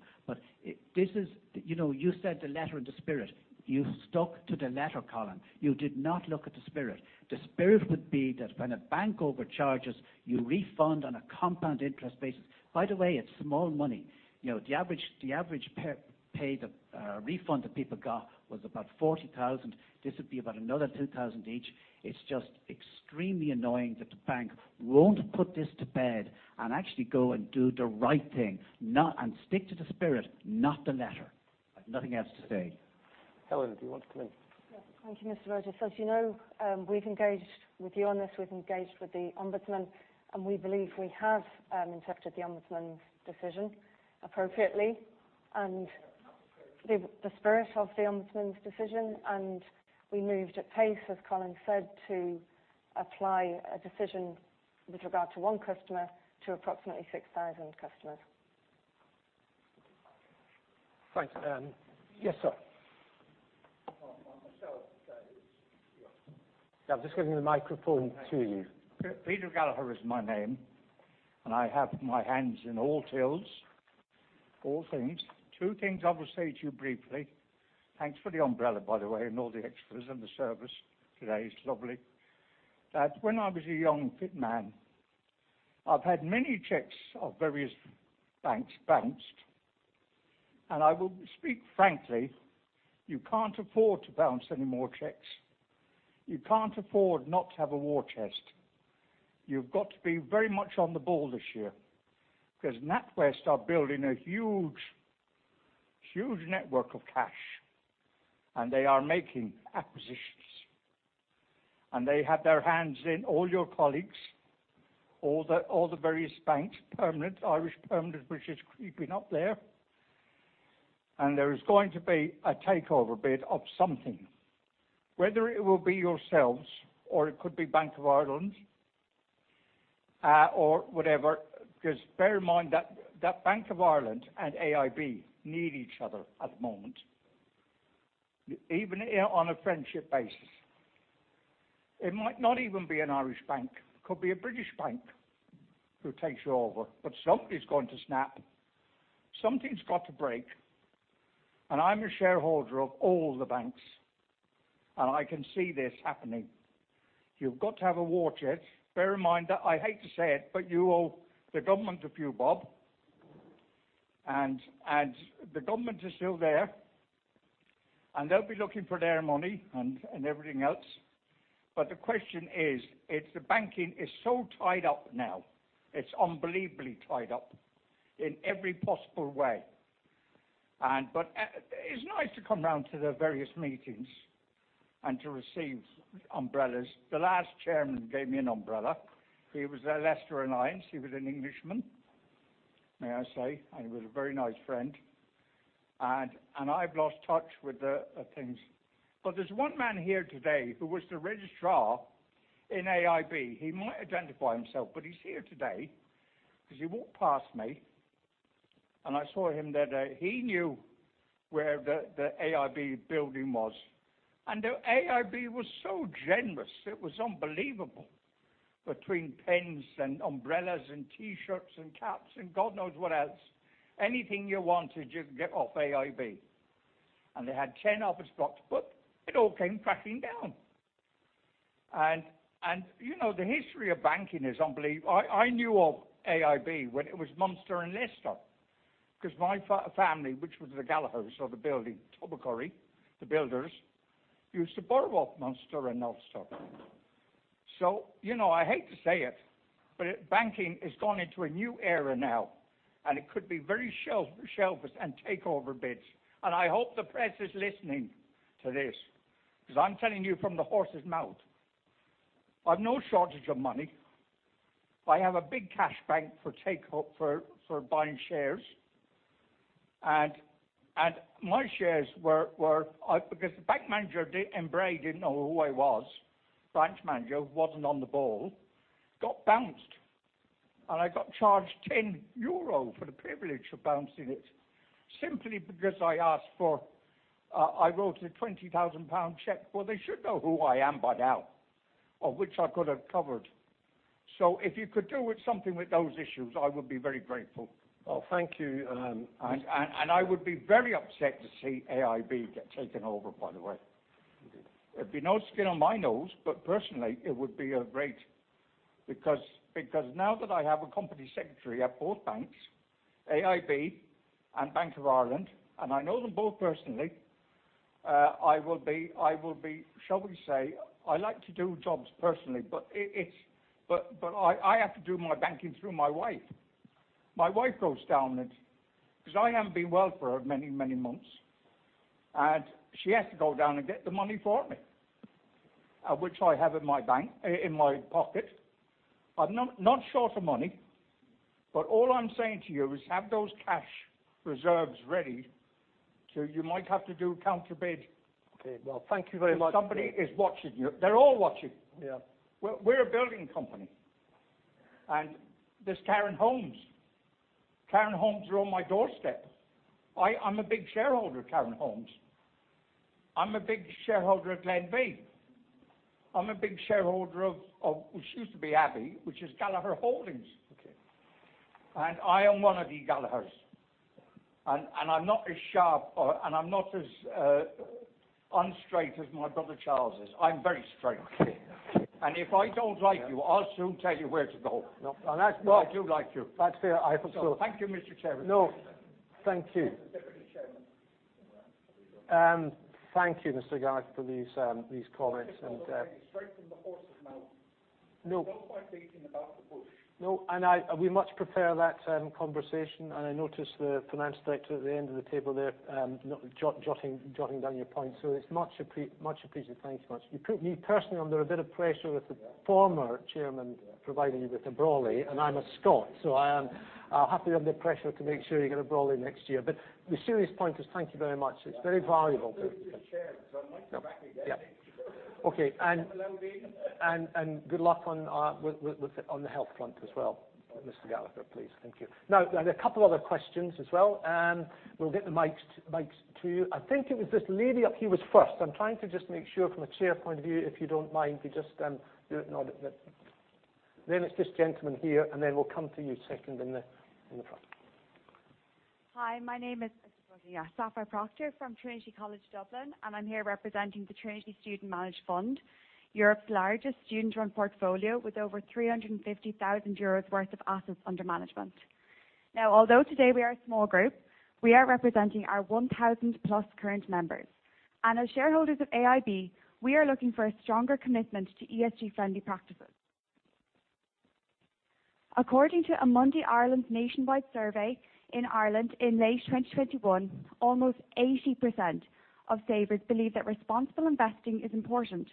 E: This is. You know, you said the letter and the spirit. You've stuck to the letter, Colin. You did not look at the spirit. The spirit would be that when a bank overcharges, you refund on a compound interest basis. By the way, it's small money. You know, the average per person refund that people got was about 40,000. This would be about another 2,000 each. It's just extremely annoying that the bank won't put this to bed and actually go and do the right thing and stick to the spirit, not the letter. I've nothing else to say.
B: Helen, do you want to come in?
F: Yeah. Thank you, Mr. Burgess. As you know, we've engaged with you on this, we've engaged with the Ombudsman, and we believe we have interpreted the Ombudsman's decision appropriately and-
E: Not the spirit.
F: The spirit of the ombudsman's decision, and we moved at pace, as Colin said, to apply a decision with regard to one customer to approximately 6,000 customers.
B: Thanks. Yes, sir.
G: Myself, that is.
B: Yeah, I'm just giving the microphone to you.
G: Peter Gallagher is my name, and I have my hands in all tills, all things. Two things I will say to you briefly. Thanks for the umbrella, by the way, and all the extras and the service today. It's lovely. That when I was a young fit man, I've had many checks of various banks bounced, and I will speak frankly, you can't afford to bounce any more checks. You can't afford not to have a war chest. You've got to be very much on the ball this year, 'cause NatWest are building a huge network of cash, and they are making acquisitions. They have their hands in all your colleagues, all the various banks, Permanent, Irish Permanent, which is creeping up there. There is going to be a takeover bid of something, whether it will be yourselves or it could be Bank of Ireland, or whatever. 'Cause bear in mind that Bank of Ireland and AIB need each other at the moment, even on a friendship basis. It might not even be an Irish bank. It could be a British bank who takes you over, but somebody's going to snap. Something's got to break, and I'm a shareholder of all the banks, and I can see this happening. You've got to have a war chest. Bear in mind that I hate to say it, but you owe the government a few bob, and the government is still there, and they'll be looking for their money and everything else. The question is, if the banking is so tied up now, it's unbelievably tied up in every possible way. It's nice to come around to the various meetings and to receive umbrellas. The last chairman gave me an umbrella. He was at Alliance & Leicester. He was an Englishman, may I say, and he was a very nice friend. I've lost touch with the things. There's one man here today who was the registrar in AIB. He might identify himself, but he's here today 'cause he walked past me, and I saw him the other day. He knew where the AIB building was. The AIB was so generous, it was unbelievable, between pens and umbrellas and T-shirts and caps and God knows what else. Anything you wanted, you'd get off AIB, and they had 10 office blocks, but it all came crashing down. You know, the history of banking is unbelievable. I knew of AIB when it was Munster & Leinster, 'cause my family, which was the Gallaghers who are the builders in Tubbercurry, used to borrow off Munster & Leinster. You know, I hate to say it, but banking has gone into a new era now, and it could be very shelves and takeover bids. I hope the press is listening to this, 'cause I'm telling you from the horse's mouth. I've no shortage of money. I have a big cash balance for takeover for buying shares. My shares were because the branch manager in Bray didn't know who I was. Branch manager wasn't on the ball. Got bounced, and I got charged 10 euro for the privilege of bouncing it simply because I wrote a 20,000 pound check. Well, they should know who I am by now, of which I could have covered. If you could do something with those issues, I would be very grateful.
B: Oh, thank you.
G: I would be very upset to see AIB get taken over, by the way.
B: Indeed.
G: It'd be no skin on my nose, but personally, it would be great. Because now that I have a company secretary at both banks, AIB and Bank of Ireland, and I know them both personally, I will be, shall we say, I like to do jobs personally, but it's. I have to do my banking through my wife. My wife goes down and 'cause I haven't been well for many, many months, and she has to go down and get the money for me, which I have in my pocket. I'm not short of money, but all I'm saying to you is have those cash reserves ready. You might have to do a counter bid.
B: Okay. Well, thank you very much.
G: Somebody is watching you. They're all watching.
B: Yeah.
G: We're a building company. There's Cairn Homes. Cairn Homes are on my doorstep. I'm a big shareholder of Cairn Homes. I'm a big shareholder of Glenveagh. I'm a big shareholder of which used to be Abbey, which is Gallagher Holdings.
B: Okay.
G: I am one of the Gallaghers. I'm not as sharp or unstraight as my brother Charles is. I'm very straight.
B: Okay.
G: If I don't like you, I'll soon tell you where to go.
B: No.
G: I do like you.
B: That's it. I am sure.
G: Thank you, Mr. Chairman.
B: No. Thank you.
G: Mr. Deputy Chairman.
B: Thank you, Mr. Gallagher, for these comments and.
G: Straight from the horse's mouth.
B: No.
G: Not quite beating around the bush.
B: No. I, we must prepare that conversation, and I notice the Finance Director at the end of the table there, jotting down your points. It's much appreciated. Thank you much. You put me personally under a bit of pressure with the former Chairman providing you with a brolly, and I'm a Scot, so I'll have to be under pressure to make sure you get a brolly next year. Your serious point is thank you very much. It's very valuable.
G: Mr. Chair, I might be back again.
B: Yeah. Okay.
G: If I'm allowed in.
B: Good luck on the health front as well, Mr. Gallagher, please. Thank you. Now, there are a couple other questions as well. We'll get the mics to you. I think it was this lady up here was first. I'm trying to just make sure from a Chair's point of view, if you don't mind, we just do it in order. But then it's this gentleman here, and then we'll come to you second in the front.
H: Hi, my name is, yeah, Sapphire Proctor from Trinity College Dublin, and I'm here representing the Trinity Student Managed Fund, Europe's largest student-run portfolio with over 350,000 euros worth of assets under management. Now, although today we are a small group, we are representing our 1,000+ current members. As shareholders of AIB, we are looking for a stronger commitment to ESG friendly practices. According to Amundi Ireland's nationwide survey in Ireland in late 2021, almost 80% of savers believe that responsible investing is important,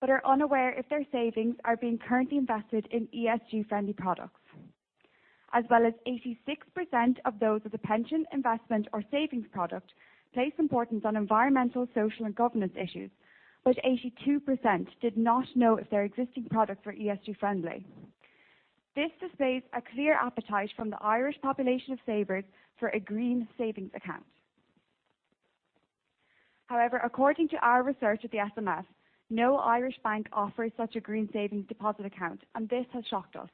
H: but are unaware if their savings are being currently invested in ESG friendly products. As well as 86% of those with a pension investment or savings product place importance on environmental, social, and governance issues, but 82% did not know if their existing products were ESG friendly. This displays a clear appetite from the Irish population of savers for a green savings account. However, according to our research at the SMS, no Irish bank offers such a green savings deposit account, and this has shocked us.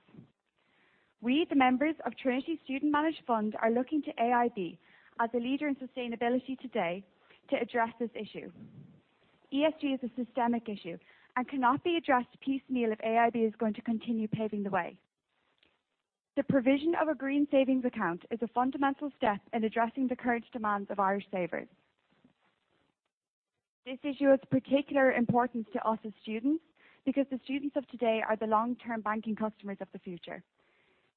H: We, the members of Trinity Student Managed Fund, are looking to AIB as a leader in sustainability today to address this issue. ESG is a systemic issue and cannot be addressed piecemeal if AIB is going to continue paving the way. The provision of a green savings account is a fundamental step in addressing the current demands of Irish savers. This issue is of particular importance to us as students because the students of today are the long-term banking customers of the future.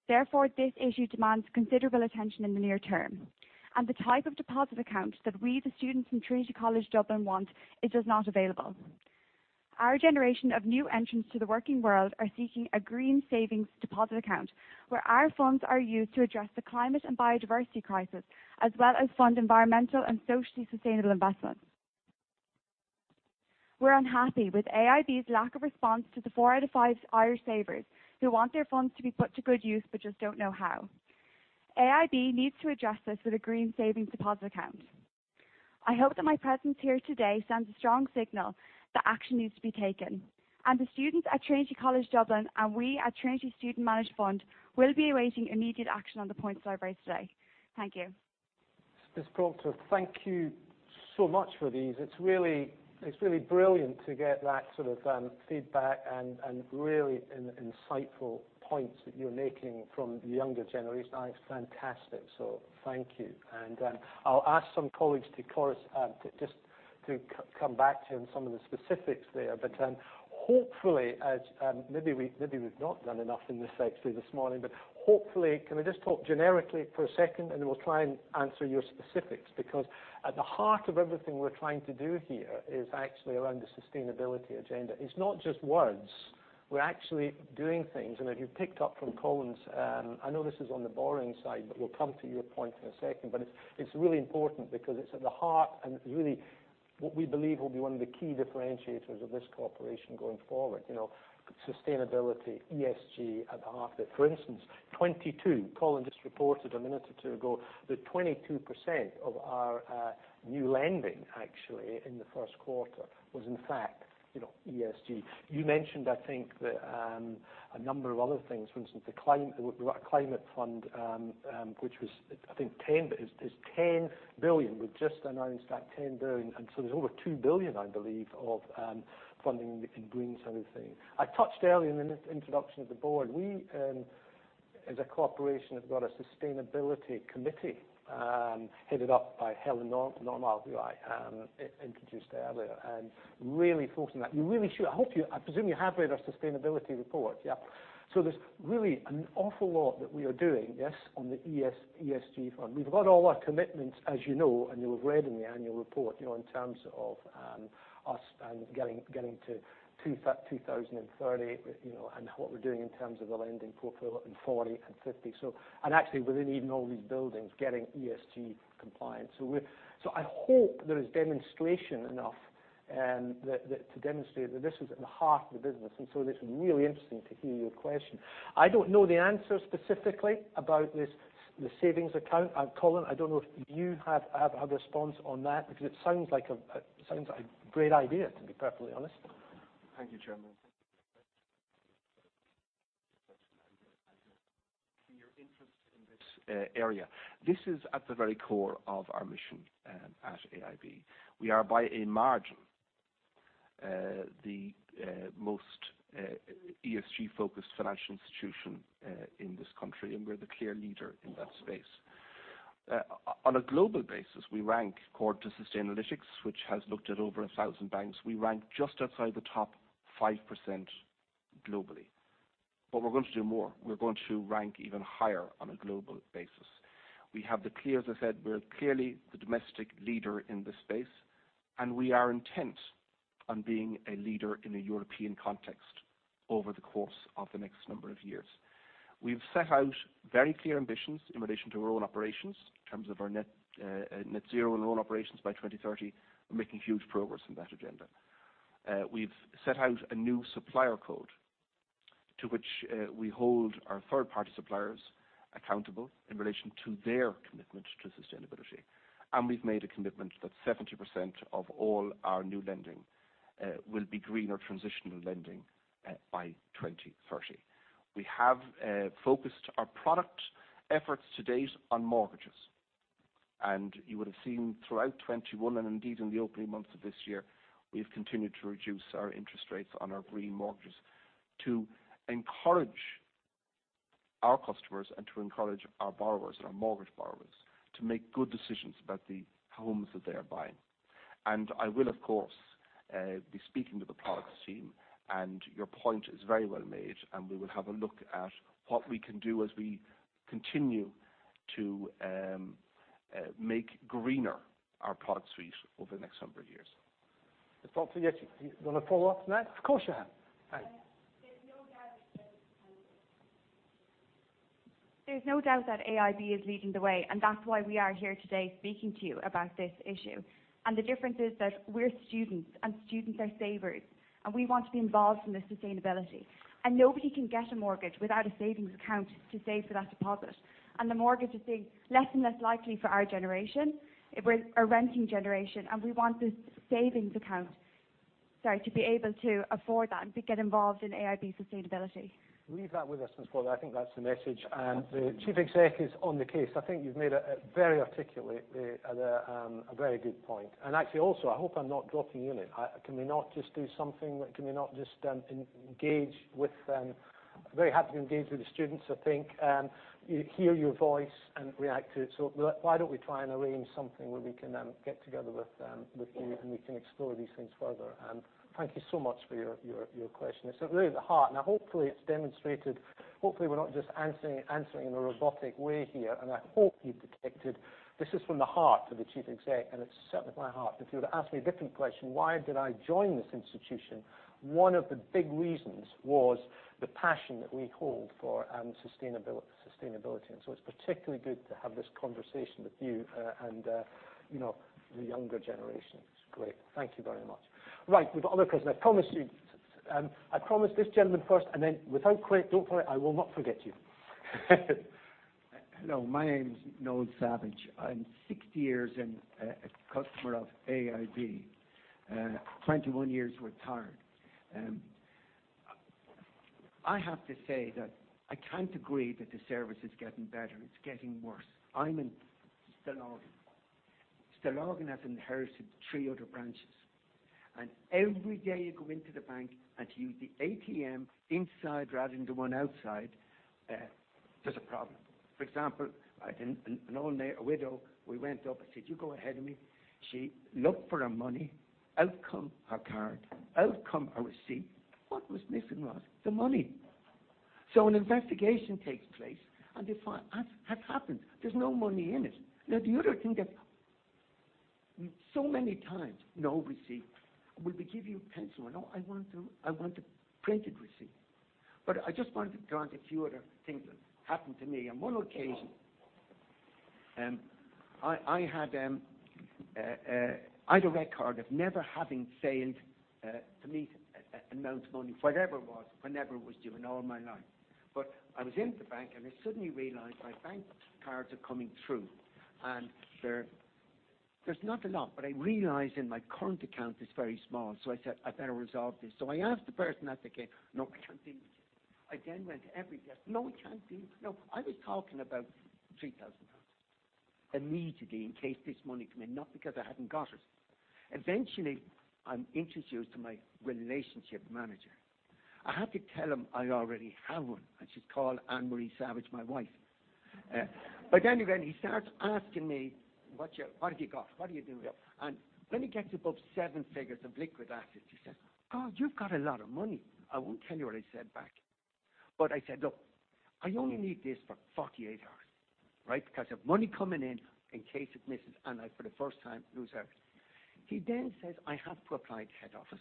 H: Therefore, this issue demands considerable attention in the near term. The type of deposit account that we, the students from Trinity College Dublin want, is just not available. Our generation of new entrants to the working world are seeking a green savings deposit account where our funds are used to address the climate and biodiversity crisis, as well as fund environmental and socially sustainable investments. We're unhappy with AIB's lack of response to the four out of five Irish savers who want their funds to be put to good use, but just don't know how. AIB needs to address this with a green savings deposit account. I hope that my presence here today sends a strong signal that action needs to be taken. The students at Trinity College Dublin, and we at Trinity Student Managed Fund, will be awaiting immediate action on the points I raised today. Thank you.
B: Miss. Proctor, thank you so much for these. It's really brilliant to get that sort of feedback and really insightful points that you're making from the younger generation. It's fantastic, so thank you. I'll ask some colleagues to correspond just to come back to you on some of the specifics there. Hopefully as maybe we've not done enough in this actually this morning, but hopefully, can we just talk generically for a second and we'll try and answer your specifics. Because at the heart of everything we're trying to do here is actually around the sustainability agenda. It's not just words. We're actually doing things. If you picked up from Colin's, I know this is on the boring side, but we'll come to your point in a second. It's really important because it's at the heart and really what we believe will be one of the key differentiators of this cooperation going forward, you know. Sustainability, ESG at the heart of it. For instance, 22. Colin just reported a minute or two ago that 22% of our new lending actually in the Q1 was in fact, you know, ESG. You mentioned I think that a number of other things. For instance, we've got a climate fund, which was I think 10, but it's 10 billion. We've just announced that 10 billion, and so there's over 2 billion, I believe, of funding in green sort of thing. I touched earlier in introduction of the board. We as a corporation have got a sustainability committee headed up by Helen Normoyle, who I introduced earlier, and really focusing that. You really should. I hope you. I presume you have read our sustainability report, yeah. There's really an awful lot that we are doing, yes, on the ESG front. We've got all our commitments, as you know, and you will read in the annual report, you know, in terms of us getting to 2030 with, you know, and what we're doing in terms of the lending portfolio in 2040 and 2050. Actually within even all these buildings, getting ESG compliant. I hope there is demonstration enough that to demonstrate that this is at the heart of the business. It's really interesting to hear your question. I don't know the answer specifically about this, the savings account. Colin, I don't know if you have a response on that, because it sounds like a great idea, to be perfectly honest.
C: Thank you, Chairman. Your interest in this area, this is at the very core of our mission at AIB. We are by a margin the most ESG-focused financial institution in this country, and we're the clear leader in that space. On a global basis, we rank according to Sustainalytics, which has looked at over a thousand banks. We rank just outside the top 5% globally. We're going to do more. We're going to rank even higher on a global basis. We have the clear, as I said, we're clearly the domestic leader in this space, and we are intent on being a leader in a European context over the course of the next number of years. We've set out very clear ambitions in relation to our own operations in terms of our net zero in our own operations by 2030. We're making huge progress in that agenda. We've set out a new supplier code to which we hold our third-party suppliers accountable in relation to their commitment to sustainability. We've made a commitment that 70% of all our new lending will be green or transitional lending by 2030. We have focused our product efforts to date on mortgages. You would have seen throughout 2021 and indeed in the opening months of this year, we've continued to reduce our interest rates on our green mortgages to encourage our customers and to encourage our borrowers, our mortgage borrowers, to make good decisions about the homes that they are buying. I will, of course, be speaking to the products team, and your point is very well made, and we will have a look at what we can do as we continue to make greener our product suite over the next number of years.
B: I talked to you. You want to follow up on that? Of course you have. Hi.
H: There's no doubt that AIB is leading the way, and that's why we are here today speaking to you about this issue. The difference is that we're students, and students are savers, and we want to be involved in the sustainability. Nobody can get a mortgage without a savings account to save for that deposit. The mortgage is being less and less likely for our generation. We're a renting generation, and we want this savings account, sorry, to be able to afford that and to get involved in AIB sustainability.
B: Leave that with us, Miss Proctor. I think that's the message. The chief exec is on the case. I think you've made a very articulate point. Actually, also, I hope I'm not dropping you in it. Can we not just do something? Can we not just engage with the students. Very happy to engage with the students, I think, hear your voice and react to it. Why don't we try and arrange something where we can get together with you, and we can explore these things further. Thank you so much for your question. It's really the heart. Now, hopefully, it's demonstrated. Hopefully, we're not just answering in a robotic way here. I hope you detected this is from the heart of the chief exec, and it's certainly my heart. If you were to ask me a different question, why did I join this institution, one of the big reasons was the passion that we hold for sustainability. It's particularly good to have this conversation with you, and you know, the younger generation. It's great. Thank you very much. Right. We've other questions. I promised you. I promised this gentleman first, and then don't worry, I will not forget you.
I: Hello. My name is Noel Savage. I'm 60 years and a customer of AIB, 21 years retired. I have to say that I can't agree that the service is getting better. It's getting worse. I'm in Stillorgan. Stillorgan has inherited three other branches. Every day you go into the bank and use the ATM inside rather than the one outside, there's a problem. For example, an old lady, a widow, we went up and said, "You go ahead of me." She looked for her money. Out come her card. Out come her receipt. What was missing was the money. An investigation takes place, and they find, "That's happened. There's no money in it." The other thing that so many times, no receipt. Will we give you a pencil?" "No, I want the printed receipt." I just wanted to grant a few other things that happened to me. On one occasion, I had a record of never having failed to meet amounts of money, whatever it was, whenever it was due in all my life. I was in the bank, and I suddenly realized my bank cards are coming through. There, there's not a lot, but I realize in my current account it's very small. I said, "I better resolve this." I asked the person. "No, I can't deal with you." I then went to every desk. "No, we can't deal." No, I was talking about 3,000 pounds immediately in case this money come in, not because I hadn't got it. Eventually, I'm introduced to my relationship manager. I had to tell him I already have one, and she's called Anne Marie Savage, my wife. Anyway, he starts asking me, "What have you got? What are you doing?" When he gets above seven figures of liquid assets, he says, "God, you've got a lot of money." I won't tell you what I said back. I said, "Look, I only need this for 48 hours, right? Because I've money coming in case it misses, and I, for the first time, lose out." He says, "I have to apply to head office."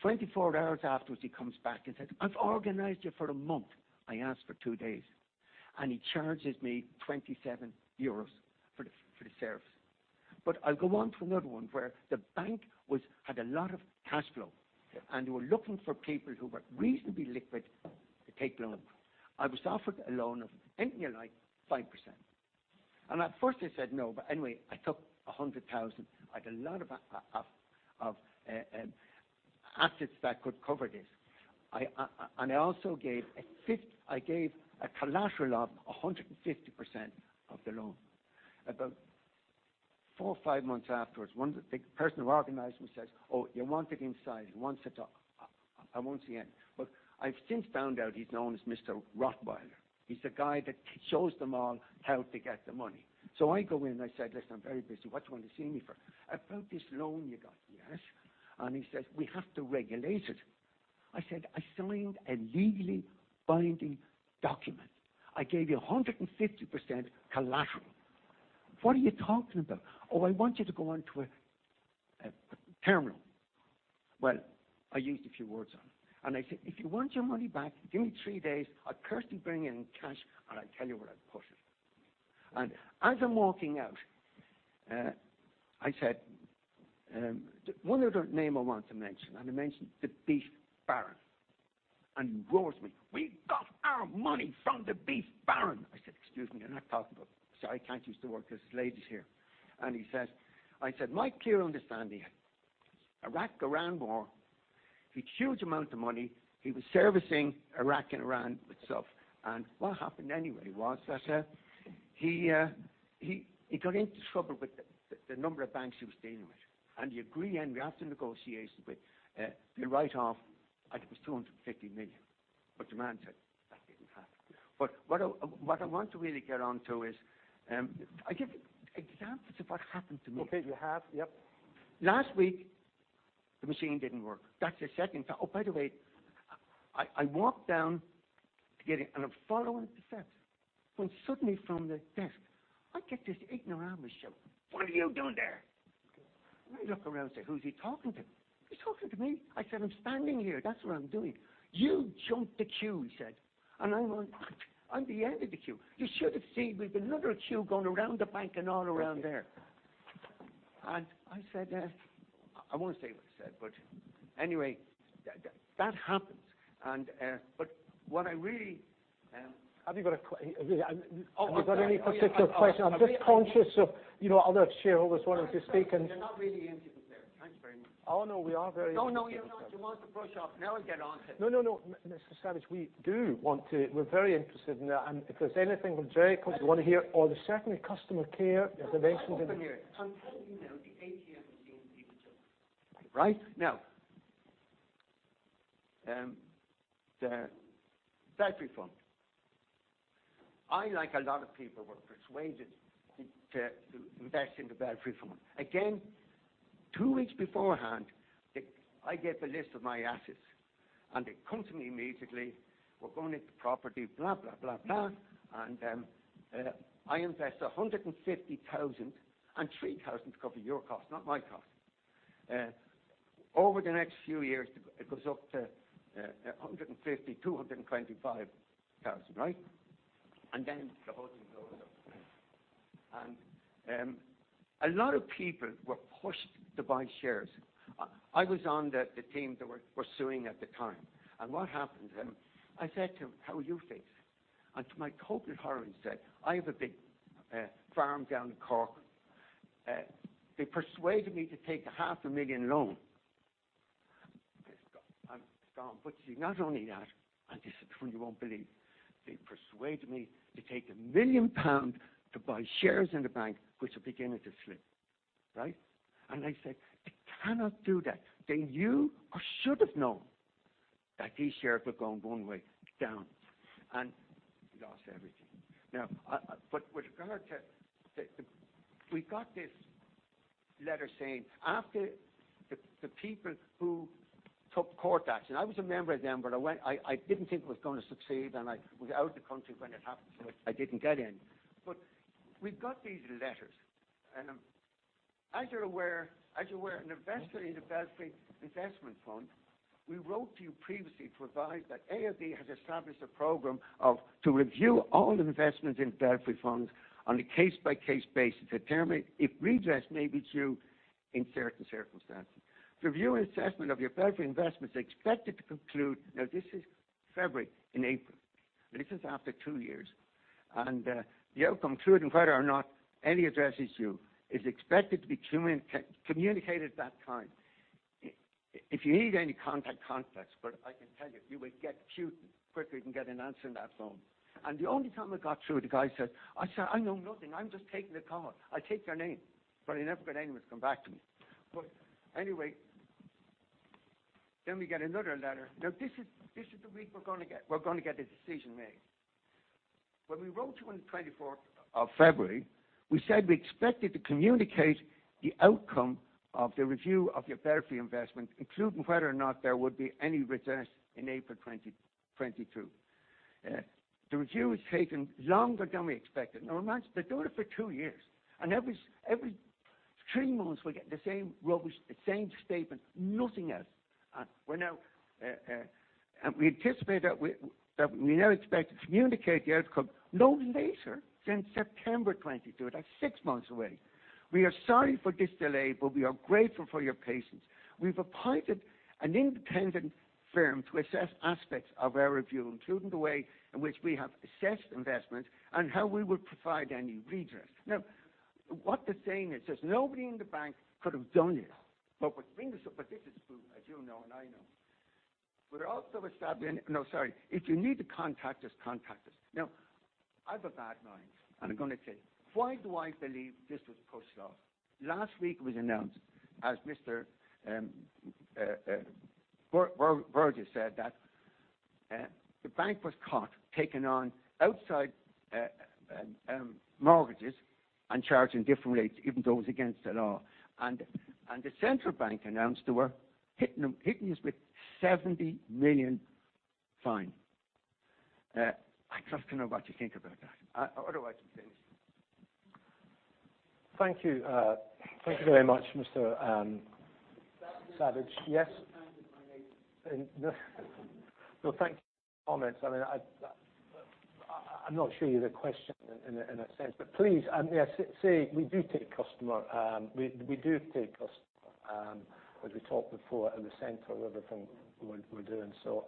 I: 24 hours afterwards, he comes back and says, "I've organized you for a month." I asked for two days, and he charges me 27 euros for the service. I'll go on to another one where the bank had a lot of cash flow, and they were looking for people who were reasonably liquid to take loans. I was offered a loan of anything like 5%. At first I said no, but anyway, I took 100,000. I had a lot of assets that could cover this. I also gave collateral of 150% of the loan. About four or five months afterwards, one of the person who organized me says, "Oh, you're wanted inside. He wants to talk." I won't say it, but I've since found out he's known as Mr. Rottweiler. He's the guy that shows them all how to get the money. I go in, I said, "Listen, I'm very busy. What do you want to see me for?" "About this loan you got." "Yes." He says, "We have to regulate it." I said, "I signed a legally binding document. I gave you 150% collateral. What are you talking about?" "Oh, I want you to go onto a terminal." Well, I used a few words on it. I said, "If you want your money back, give me three days. I'll personally bring it in cash, and I'll tell you where I put it." As I'm walking out, I said one other name I want to mention, and I mentioned the Beef Baron. He roars me, "We got our money from the Beef Baron." I said, "Excuse me, you're not talking about... Sorry, can't use the word because this lady's here." He says... I said, "My clear understanding, Iraq-Iran War, he had huge amounts of money. He was servicing Iraq and Iran with stuff. What happened anyway was that, he got into trouble with the number of banks he was dealing with. He agreed, and we're up to negotiations with, to write off, I think it was 250 million." The man said that didn't happen. What I want to really get on to is, I give examples of what happened to me.
B: Okay. You have. Yep.
I: Last week, the machine didn't work. That's the second time. Oh, by the way, I walked down to get in, and I'm following the steps when suddenly from the desk, I get this ignoramus shout, "What are you doing there?" I look around, say, "Who's he talking to? Is he talking to me?" I said, "I'm standing here. That's what I'm doing." "You jumped the queue," he said. I'm the end of the queue. You should have seen. We have another queue going around the bank and all around there. I said, I won't say what I said, but anyway, that happens.
B: Really, have you got any particular question?
I: Oh, I'm sorry.
B: I'm just conscious of, you know, other shareholders wanting to speak and.
I: I'm sorry. They're not really interested there. Thanks very much.
B: Oh, no, we are very interested.
I: No, no, you're not. You want to brush off. Now I get on to it.
B: No, no. Mr. Savage, we're very interested in that. If there's anything from Draco you wanna hear or there's certainly customer care information.
I: I'll stop here. I'm telling you now the ATM machine didn't work. Right. Now, the Belfry Funds, I, like a lot of people, were persuaded to invest in the Belfry Funds. Again, two weeks beforehand, I get the list of my assets, and it comes to me immediately. We're going into property, blah, blah. I invest 150 thousand and 3 thousand to cover your cost, not my cost. Over the next few years, it goes up to 150 thousand to 225 thousand, right? Then the whole thing goes up. A lot of people were pushed to buy shares. I was on the team that were pursuing at the time. What happened, I said to him, "How are you fixed?" To my total horror, he said, "I have a big farm down in Cork. They persuaded me to take a EUR half a million loan." I said, "Go. Go on." See, not only that, and this is one you won't believe. They persuaded me to take 1 million pounds to buy shares in the bank, which are beginning to slip, right?" I said, "I cannot do that." They knew or should have known that these shares were going one way, down. He lost everything. Now, but with regard to, we got this letter saying, after the people who took court action, I was a member of them, but I went. I didn't think it was gonna succeed, and I was out of the country when it happened, so I didn't get in. We've got these letters. As you're aware, an investor in the Belfry Funds, we wrote to you previously to advise that AIB has established a program to review all investments in Belfry Funds on a case-by-case basis to determine if redress may be due in certain circumstances. Review and assessment of your Belfry investments are expected to conclude, now this is February and April, but this is after two years, and the outcome, including whether or not any redress is due, is expected to be communicated at that time. If you need any contact us. I can tell you will get queued quicker than get an answer on that phone. The only time I got through, the guy said, "I'm sorry, I know nothing. I'm just taking a call. I'll take your name." I never got anyone to come back to me. Anyway, then we get another letter. Now, this is the week we're gonna get a decision made. When we wrote you on the 24th of February, we said we expected to communicate the outcome of the review of your Belfry investment, including whether or not there would be any redress in April 2022. The review has taken longer than we expected. Now imagine, they're doing it for two years, and every three months, we're getting the same rubbish, the same statement, nothing else. We anticipate that we now expect to communicate the outcome no later than September 2022. That's six months away. We are sorry for this delay, but we are grateful for your patience. We've appointed an independent firm to assess aspects of our review, including the way in which we have assessed investment and how we would provide any redress. Now, what they're saying is nobody in the bank could have done it. This is bull, as you know and I know. If you need to contact us, contact us. Now, I've a bad mind, and I'm gonna tell you. Why do I believe this was pushed off? Last week it was announced, as Mr. Burgess said, that the bank was caught taking on outside mortgages and charging different rates, even though it was against the law. The Central Bank announced they were hitting us with 70 million fine. I'd love to know what you think about that. Otherwise I'm finished.
B: Thank you. Thank you very much, Mr. Savage. Yes.
I: Can I have my eight?
B: No. Well, thank you for your comments. I mean, I'm not sure you got the question in a sense, but please, may I say we do take the customer as we talked before at the center of everything we're doing. So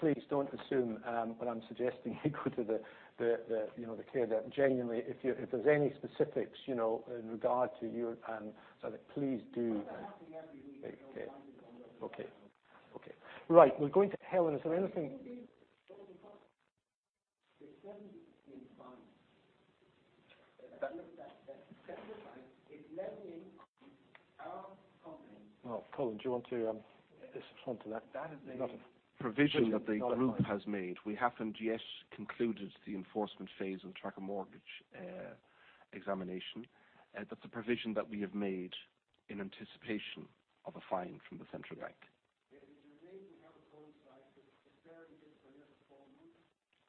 B: please don't assume what I'm suggesting. You go to the customer care that genuinely, if there's any specifics you know in regard to you and so please do. Okay. Right, we're going to Helen. Oh, Colin, do you want to add to that. We've got a-
C: Provision that the group has made. We haven't yet concluded the enforcement phase on tracker mortgage examination. That's a provision that we have made in anticipation of a fine from the Central Bank.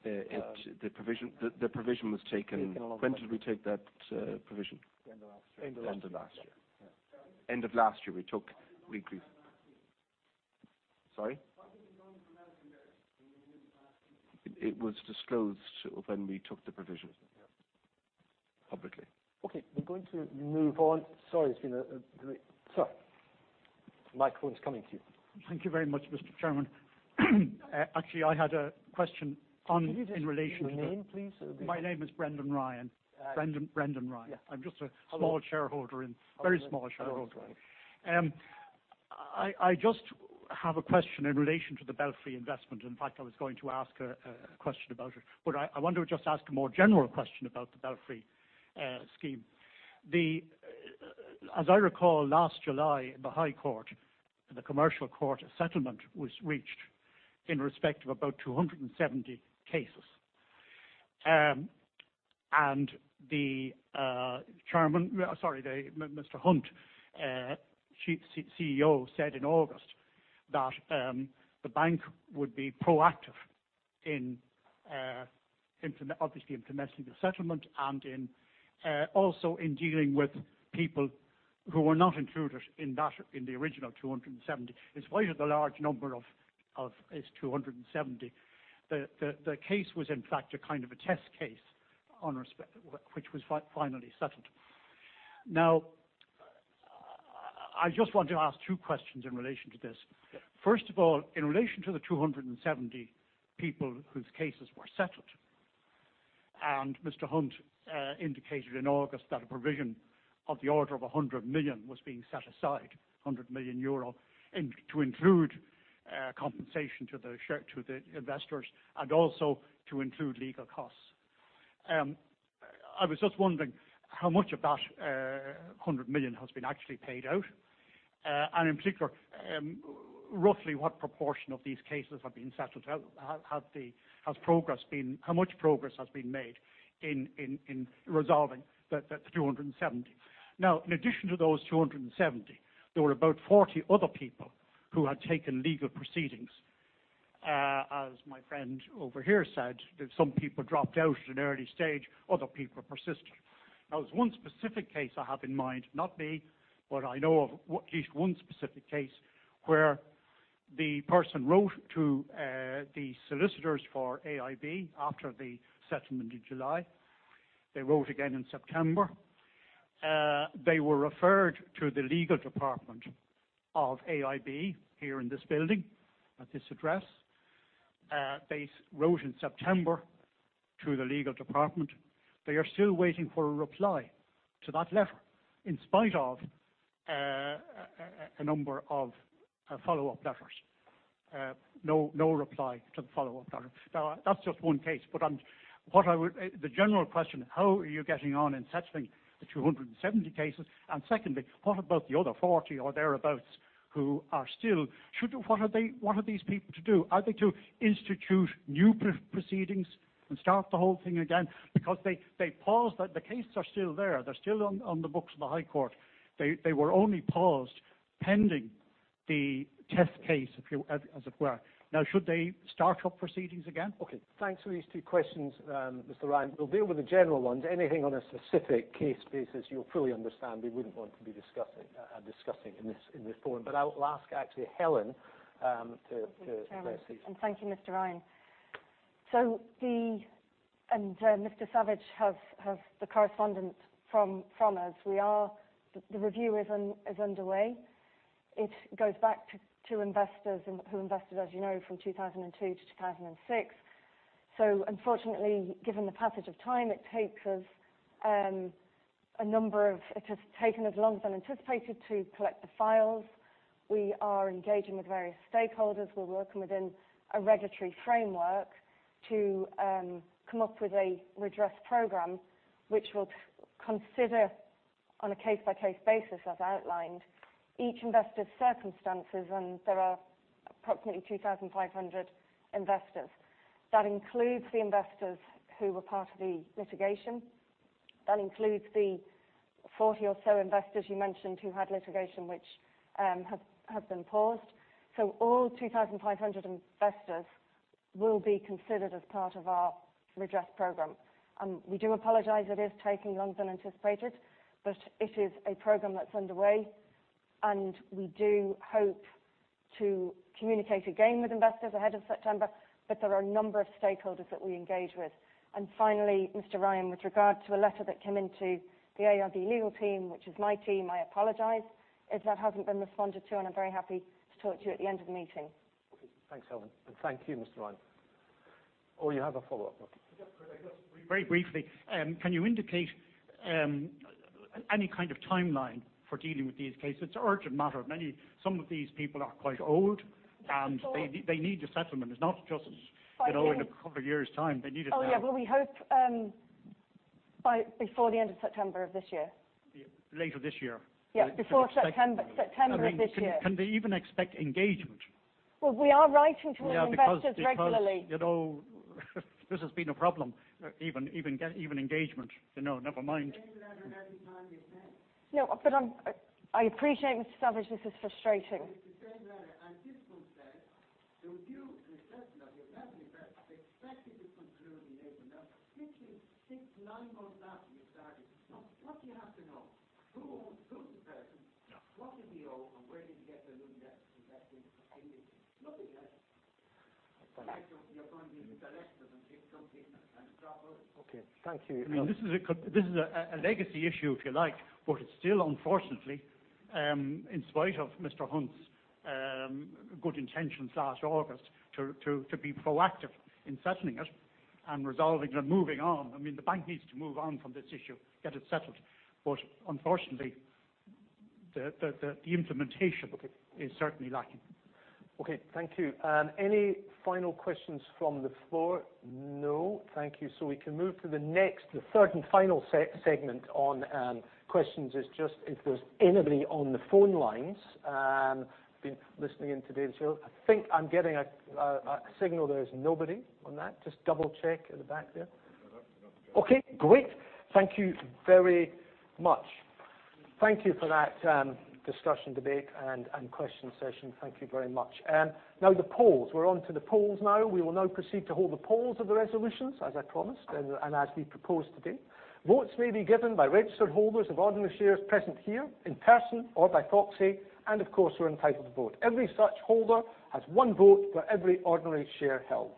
B: The provision was taken. When did we take that provision?
C: End of last year.
B: End of last year. It was disclosed when we took the provision.
C: Yeah.
B: Publicly. Okay, we're going to move on. Sorry, it's been. Sir, microphone's coming to you.
J: Thank you very much, Mr. Chairman. Actually, I had a question on.
B: Can you just give me your name, please?
J: My name is Brendan Ryan.
B: Yeah.
J: I'm just a small shareholder.
B: How long-
J: Very small shareholder. I just have a question in relation to the Belfry investment. In fact, I was going to ask a question about it, but I want to just ask a more general question about the Belfry scheme. As I recall, last July, the High Court, the Commercial Court settlement was reached in respect of about 270 cases. Mr. Hunt, CEO, said in August that the bank would be proactive in obviously implementing the settlement and also in dealing with people who were not included in that, in the original 270. In spite of the large number of. It's 270. The case was in fact a kind of a test case in respect of which was finally settled. Now, I just want to ask two questions in relation to this.
B: Yeah.
J: First of all, in relation to the 270 people whose cases were settled, and Mr. Hunt indicated in August that a provision of the order of 100 million was being set aside, 100 million euro, and to include compensation to the investors, and also to include legal costs. I was just wondering how much of that hundred million has been actually paid out. And in particular, roughly what proportion of these cases have been settled? How has progress been? How much progress has been made in resolving the 270? In addition to those 270, there were about 40 other people who had taken legal proceedings. As my friend over here said, that some people dropped out at an early stage, other people persisted. Now, there's one specific case I have in mind, not me, but I know of at least one specific case where the person wrote to the solicitors for AIB after the settlement in July. They wrote again in September. They were referred to the legal department of AIB here in this building at this address. They wrote in September to the legal department. They are still waiting for a reply to that letter in spite of a number of follow-up letters. No reply to the follow-up letter. Now that's just one case. The general question, how are you getting on in settling the 270 cases? And secondly, what about the other 40 or thereabouts. What are these people to do? Are they to institute new proceedings and start the whole thing again? They paused. The cases are still there. They're still on the books of the High Court. They were only paused pending the test case, if you as it were. Now, should they start up proceedings again?
B: Okay, thanks for these two questions, Mr. Ryan. We'll deal with the general ones. Anything on a specific case basis, you'll fully understand we wouldn't want to be discussing in this forum. I'll ask actually Helen to address these.
F: Thank you, Chairman. Thank you, Mr. Ryan. Mr. Savage has the correspondence from us. The review is underway. It goes back to investors and who invested, as you know, from 2002 to 2006. Unfortunately, given the passage of time, it has taken us longer than anticipated to collect the files. We are engaging with various stakeholders. We're working within a regulatory framework to come up with a redress program which will consider on a case-by-case basis, as outlined, each investor's circumstances, and there are approximately 2,500 investors. That includes the investors who were part of the litigation. That includes the 40 or so investors you mentioned who had litigation which has been paused. All 2,500 investors will be considered as part of our redress program. We do apologize, it is taking longer than anticipated, but it is a program that's underway, and we do hope to communicate again with investors ahead of September, but there are a number of stakeholders that we engage with. Finally, Mr. Ryan, with regard to a letter that came into the AIB legal team, which is my team, I apologize if that hasn't been responded to, and I'm very happy to talk to you at the end of the meeting.
B: Okay. Thanks, Helen. Thank you, Mr. Ryan. Oh, you have a follow-up.
J: Yes. Very briefly, can you indicate any kind of timeline for dealing with these cases? It's an urgent matter. Some of these people are quite old, and they need the settlement. It's not just.
F: I think.
J: You know, in a couple of years' time. They need it now.
F: Oh, yeah. Well, we hope before the end of September of this year.
J: Later this year?
F: Yeah, before September of this year.
J: I mean, can they even expect engagement?
F: Well, we are writing to investors regularly.
J: Yeah, because you know, this has been a problem, even engagement, you know, never mind.
I: The same letter every time you send.
F: No, I appreciate, Mr. Savage, this is frustrating.
I: It's the same letter. This one says, "The review and assessment of your investment, in fact, expected to conclude in April." Now it's literally six, nine months after you started. What more do you have to know? Who owns. Who's the person?
J: Yeah.
I: What does he owe, and where did he get the loan documents invested? Nothing else.
J: Okay.
I: You're going to intellectual and pick something and drop it.
B: Okay. Thank you.
J: I mean, this is a legacy issue, if you like, but it's still unfortunately, in spite of Mr. Hunt's good intentions last August to be proactive in settling it and resolving and moving on. I mean, the bank needs to move on from this issue, get it settled. Unfortunately, the implementation of it is certainly lacking.
B: Okay. Thank you. Any final questions from the floor? No. Thank you. We can move to the next, the third and final segment on questions is just if there's anybody on the phone lines been listening in today as well. I think I'm getting a signal that there is nobody on that. Just double-check at the back there.
K: No, that's a no go.
B: Okay. Great. Thank you very much. Thank you for that, discussion, debate, and question session. Thank you very much. Now the polls. We're onto the polls now. We will now proceed to hold the polls of the resolutions, as I promised and as we proposed today. Votes may be given by registered holders of ordinary shares present here in person or by proxy, and of course are entitled to vote. Every such holder has one vote for every ordinary share held.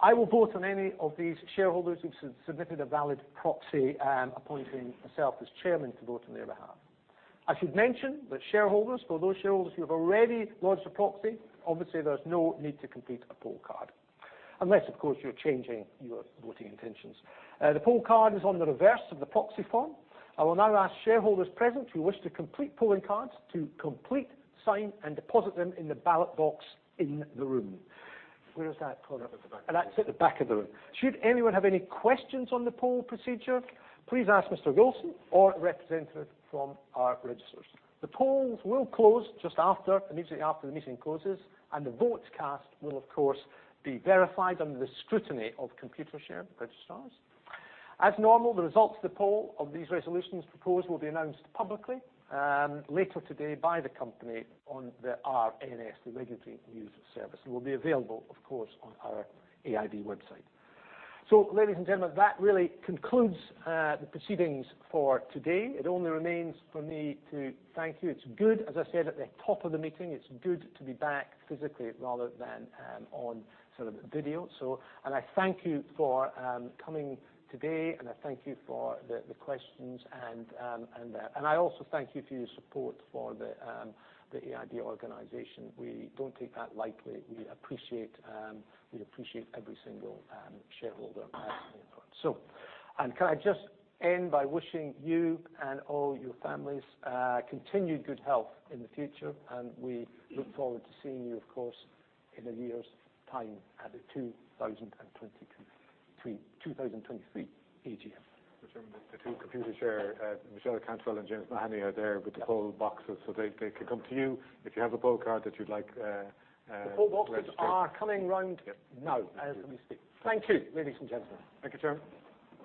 B: I will vote on any of these shareholders who've submitted a valid proxy, appointing myself as chairman to vote on their behalf. I should mention that shareholders, for those shareholders who have already lodged a proxy, obviously there's no need to complete a poll card, unless of course you're changing your voting intentions. The poll card is on the reverse of the proxy form. I will now ask shareholders present who wish to complete polling cards to complete, sign, and deposit them in the ballot box in the room. Where is that?
K: Right at the back.
B: That's at the back of the room. Should anyone have any questions on the poll procedure, please ask Mr. Wilson or a representative from our registrars. The polls will close just after, immediately after the meeting closes, and the votes cast will of course be verified under the scrutiny of Computershare registrars. As normal, the results of the poll of these resolutions proposed will be announced publicly later today by the company on the RNS, the Regulatory News Service. It will be available, of course, on our AIB website. Ladies and gentlemen, that really concludes the proceedings for today. It only remains for me to thank you. It's good, as I said at the top of the meeting, it's good to be back physically rather than on sort of video. I thank you for coming today, and I thank you for the questions. I also thank you for your support for the AIB organization. We don't take that lightly. We appreciate every single shareholder input. I just end by wishing you and all your families continued good health in the future, and we look forward to seeing you of course in a year's time at the 2023 AGM.
K: The two Computershare, Michelle Cantwell and James Mahoney are there with the poll boxes, so they can come to you if you have a poll card that you'd like.
B: The poll boxes are coming round now as we speak. Thank you, ladies and gentlemen.
K: Thank you, Chairman.